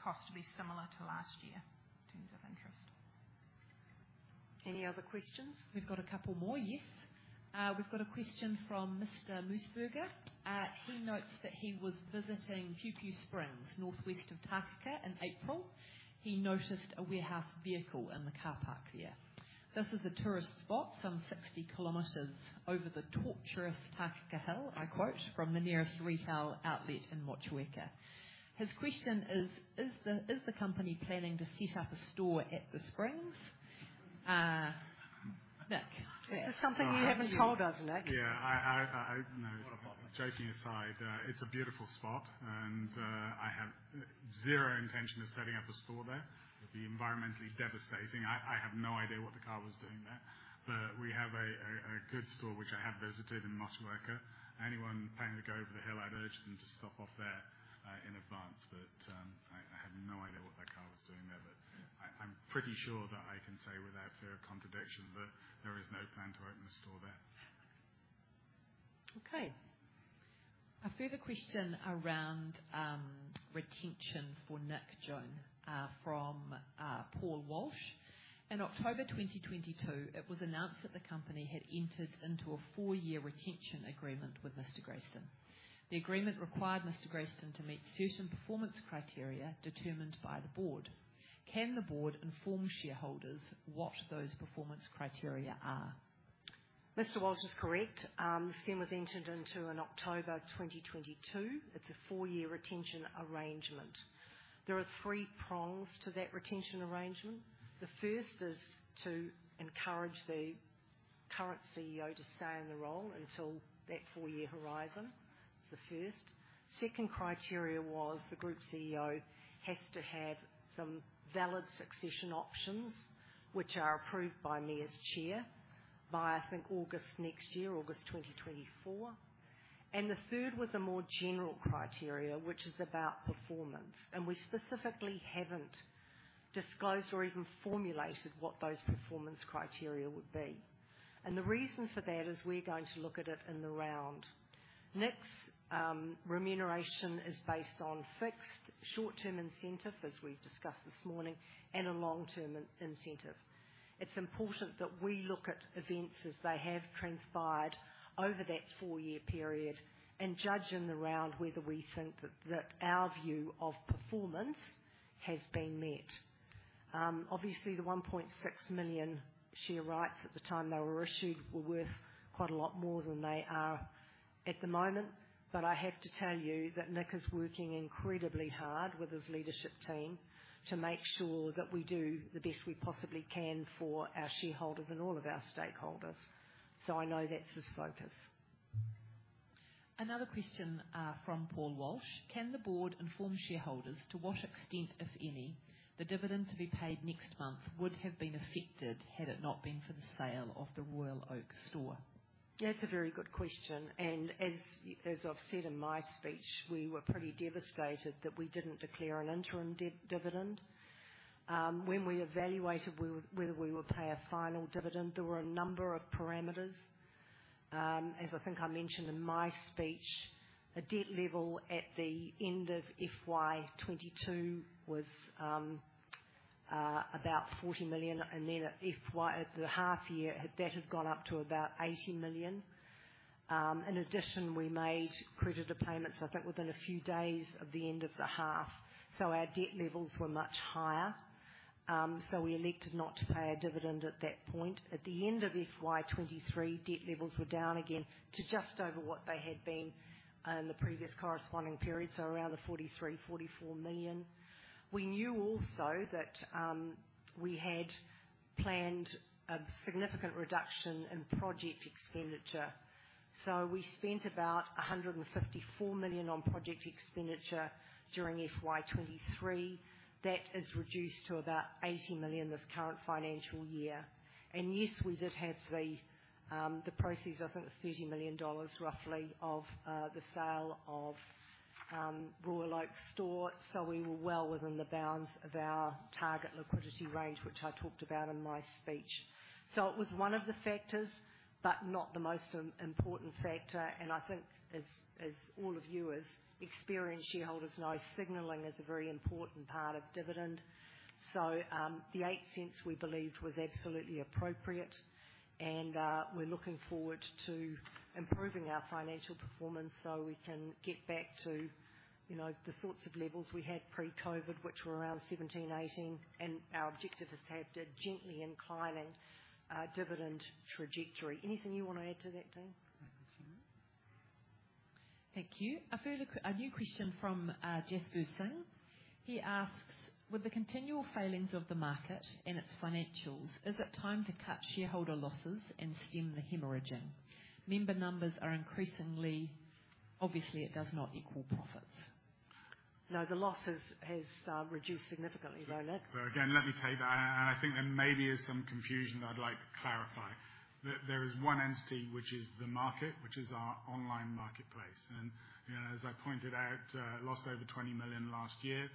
costs to be similar to last year in terms of interest. Any other questions? We've got a couple more. Yes. We've got a question from Mr. Moselen. He notes that he was visiting Pupu Springs, northwest of Takaka in April. He noticed a Warehouse vehicle in the car park there. This is a tourist spot some 60 kilometers over the torturous Takaka Hill, I quote, "From the nearest retail outlet in Motueka." His question is: Is the, is the company planning to set up a store at the springs? Nick, is this something you haven't told us, Nick? Yeah. No. Joking aside, it's a beautiful spot, and I have zero intention of setting up a store there. It would be environmentally devastating. I have no idea what the car was doing there. But we have a good store, which I have visited in Motueka. Anyone planning to go over the hill, I'd urge them to stop off there in advance, but I have no idea what that car was doing there. But I'm pretty sure that I can say without fear of contradiction, that there is no plan to open a store there.... Okay. A further question around retention for Nick, Joan, from Paul Walsh. In October 2022, it was announced that the company had entered into a four-year retention agreement with Mr. Grayston. The agreement required Mr. Grayston to meet certain performance criteria determined by the board. Can the board inform shareholders what those performance criteria are? Mr. Walsh is correct. The scheme was entered into in October 2022. It's a four-year retention arrangement. There are three prongs to that retention arrangement. The first is to encourage the current CEO to stay in the role until that four-year horizon. It's the first. Second criteria was the group CEO has to have some valid succession options, which are approved by me as chair by, I think, August next year, August 2024. And the third was a more general criteria, which is about performance, and we specifically haven't disclosed or even formulated what those performance criteria would be. And the reason for that is we're going to look at it in the round. Nick's remuneration is based on fixed short-term incentive, as we've discussed this morning, and a long-term incentive. It's important that we look at events as they have transpired over that four-year period and judge in the round whether we think that, that our view of performance has been met. Obviously, the 1.6 million share rights at the time they were issued were worth quite a lot more than they are at the moment. But I have to tell you that Nick is working incredibly hard with his leadership team to make sure that we do the best we possibly can for our shareholders and all of our stakeholders. So I know that's his focus. Another question from Paul Walsh: Can the board inform shareholders to what extent, if any, the dividend to be paid next month would have been affected had it not been for the sale of the Royal Oak store? That's a very good question, and as I've said in my speech, we were pretty devastated that we didn't declare an interim dividend. When we evaluated whether we would pay a final dividend, there were a number of parameters. As I think I mentioned in my speech, the debt level at the end of FY 2022 was about 40 million, and then at the half year, debt had gone up to about 80 million. In addition, we made creditor payments, I think, within a few days of the end of the half, so our debt levels were much higher. So we elected not to pay a dividend at that point. At the end of FY 2023, debt levels were down again to just over what they had been in the previous corresponding period, so around 43-44 million. We knew also that we had planned a significant reduction in project expenditure, so we spent about 154 million on project expenditure during FY 2023. That is reduced to about 80 million this current financial year. And yes, we did have the proceeds, I think it's $30 million dollars roughly, of the sale of Royal Oak store. So we were well within the bounds of our target liquidity range, which I talked about in my speech. So it was one of the factors, but not the most important factor, and I think as all of you as experienced shareholders know, signaling is a very important part of dividend. So, the 0.08 we believed was absolutely appropriate, and we're looking forward to improving our financial performance so we can get back to, you know, the sorts of levels we had pre-COVID, which were around 0.17-0.18. Our objective is to have a gently inclining dividend trajectory. Anything you want to add to that, Dave? Thank you. A further, a new question from Jaspal Singh. He asks: With the continual failings of the market and its financials, is it time to cut shareholder losses and stem the hemorrhaging? Member numbers are increasingly... Obviously, it does not equal profits. No, the losses has reduced significantly, though, Nick. So again, let me tell you that, and I think there maybe is some confusion that I'd like to clarify. There is one entity, which is the market, which is our online marketplace, and, you know, as I pointed out, it lost over 20 million last year.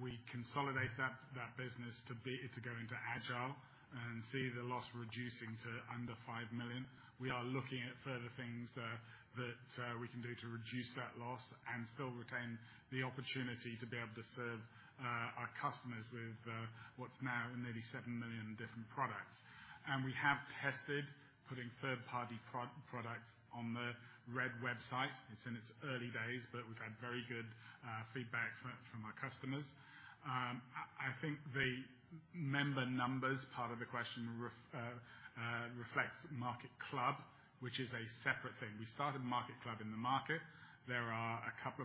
We consolidate that business to go into Agile and see the loss reducing to under 5 million. We are looking at further things that we can do to reduce that loss and still retain the opportunity to be able to serve our customers with what's now nearly 7 million different products. And we have tested putting third-party products on the Red website. It's in its early days, but we've had very good feedback from our customers. I think the member numbers part of the question refers to MarketClub, which is a separate thing. We started MarketClub in the market. There are 200,000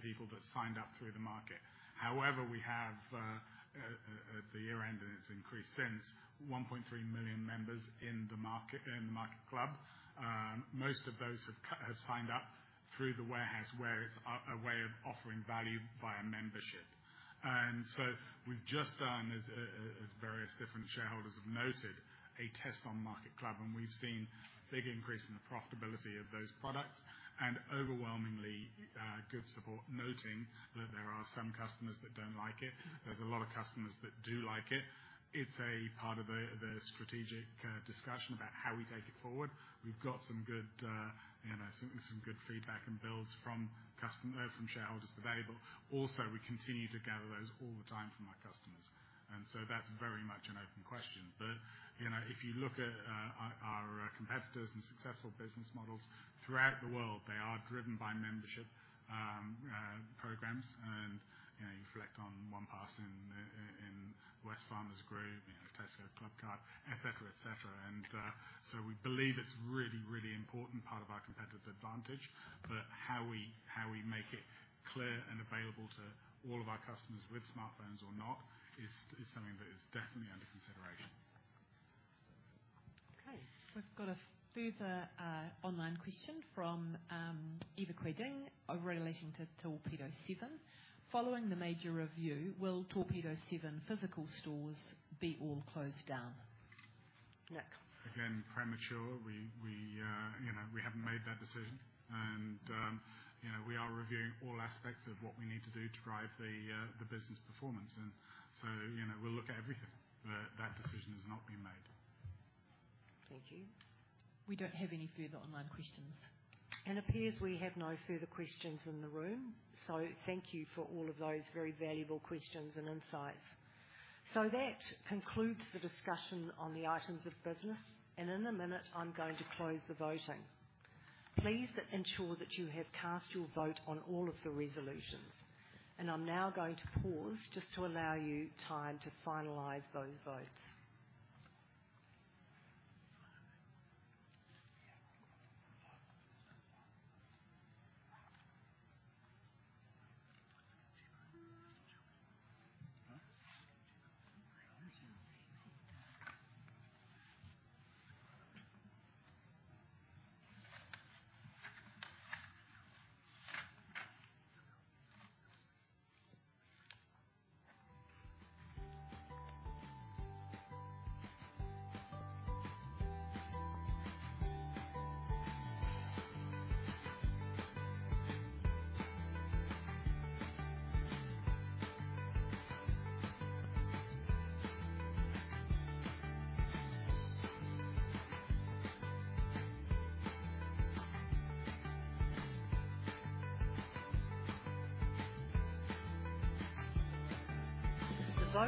people that signed up through the market. However, we have at the year-end, and it's increased since, 1.3 million members in the market, in the marketClub. Most of those have signed up through The Warehouse, where it's a way of offering value via membership. And so we've just done, as various different shareholders have noted, a test on MarketClub, and we've seen big increase in the profitability of those products and overwhelmingly good support, noting that there are some customers that don't like it. There's a lot of customers that do like it. It's a part of the strategic discussion about how we take it forward. We've got some good, you know, some good feedback and builds from customer- from shareholders today, but also we continue to gather those all the time from our customers, and so that's very much an open question. But, you know, if you look at our competitors and successful business models throughout the world, they are driven by membership programs. And, you know, you reflect on OnePass in Wesfarmers Group, you know, Tesco Clubcard, et cetera, et cetera. And so we believe it's a really, really important part of our competitive advantage. But how we make it clear and available to all of our customers with smartphones or not is something that is definitely under consideration. Okay. We've got a further online question from Eva Quiding relating to Torpedo7. Following the major review, will Torpedo7 physical stores be all closed down? Nick? Again, premature. We, we, you know, we haven't made that decision. And, you know, we are reviewing all aspects of what we need to do to drive the, the business performance. And so, you know, we'll look at everything, but that decision has not been made. Thank you. We don't have any further online questions. It appears we have no further questions in the room, so thank you for all of those very valuable questions and insights. That concludes the discussion on the items of business, and in a minute, I'm going to close the voting. Please ensure that you have cast your vote on all of the resolutions. I'm now going to pause just to allow you time to finalize those votes.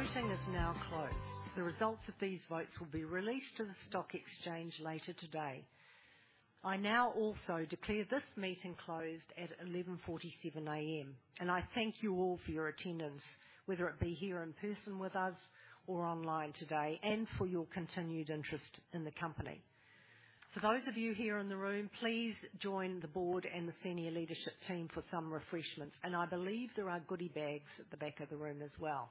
The voting is now closed. The results of these votes will be released to the stock exchange later today. I now also declare this meeting closed at 11:47 A.M., and I thank you all for your attendance, whether it be here in person with us or online today, and for your continued interest in the company. For those of you here in the room, please join the board and the senior leadership team for some refreshments, and I believe there are goodie bags at the back of the room as well.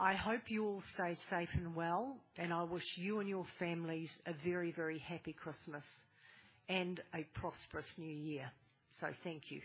I hope you all stay safe and well, and I wish you and your families a very, very happy Christmas and a prosperous new year. Thank you.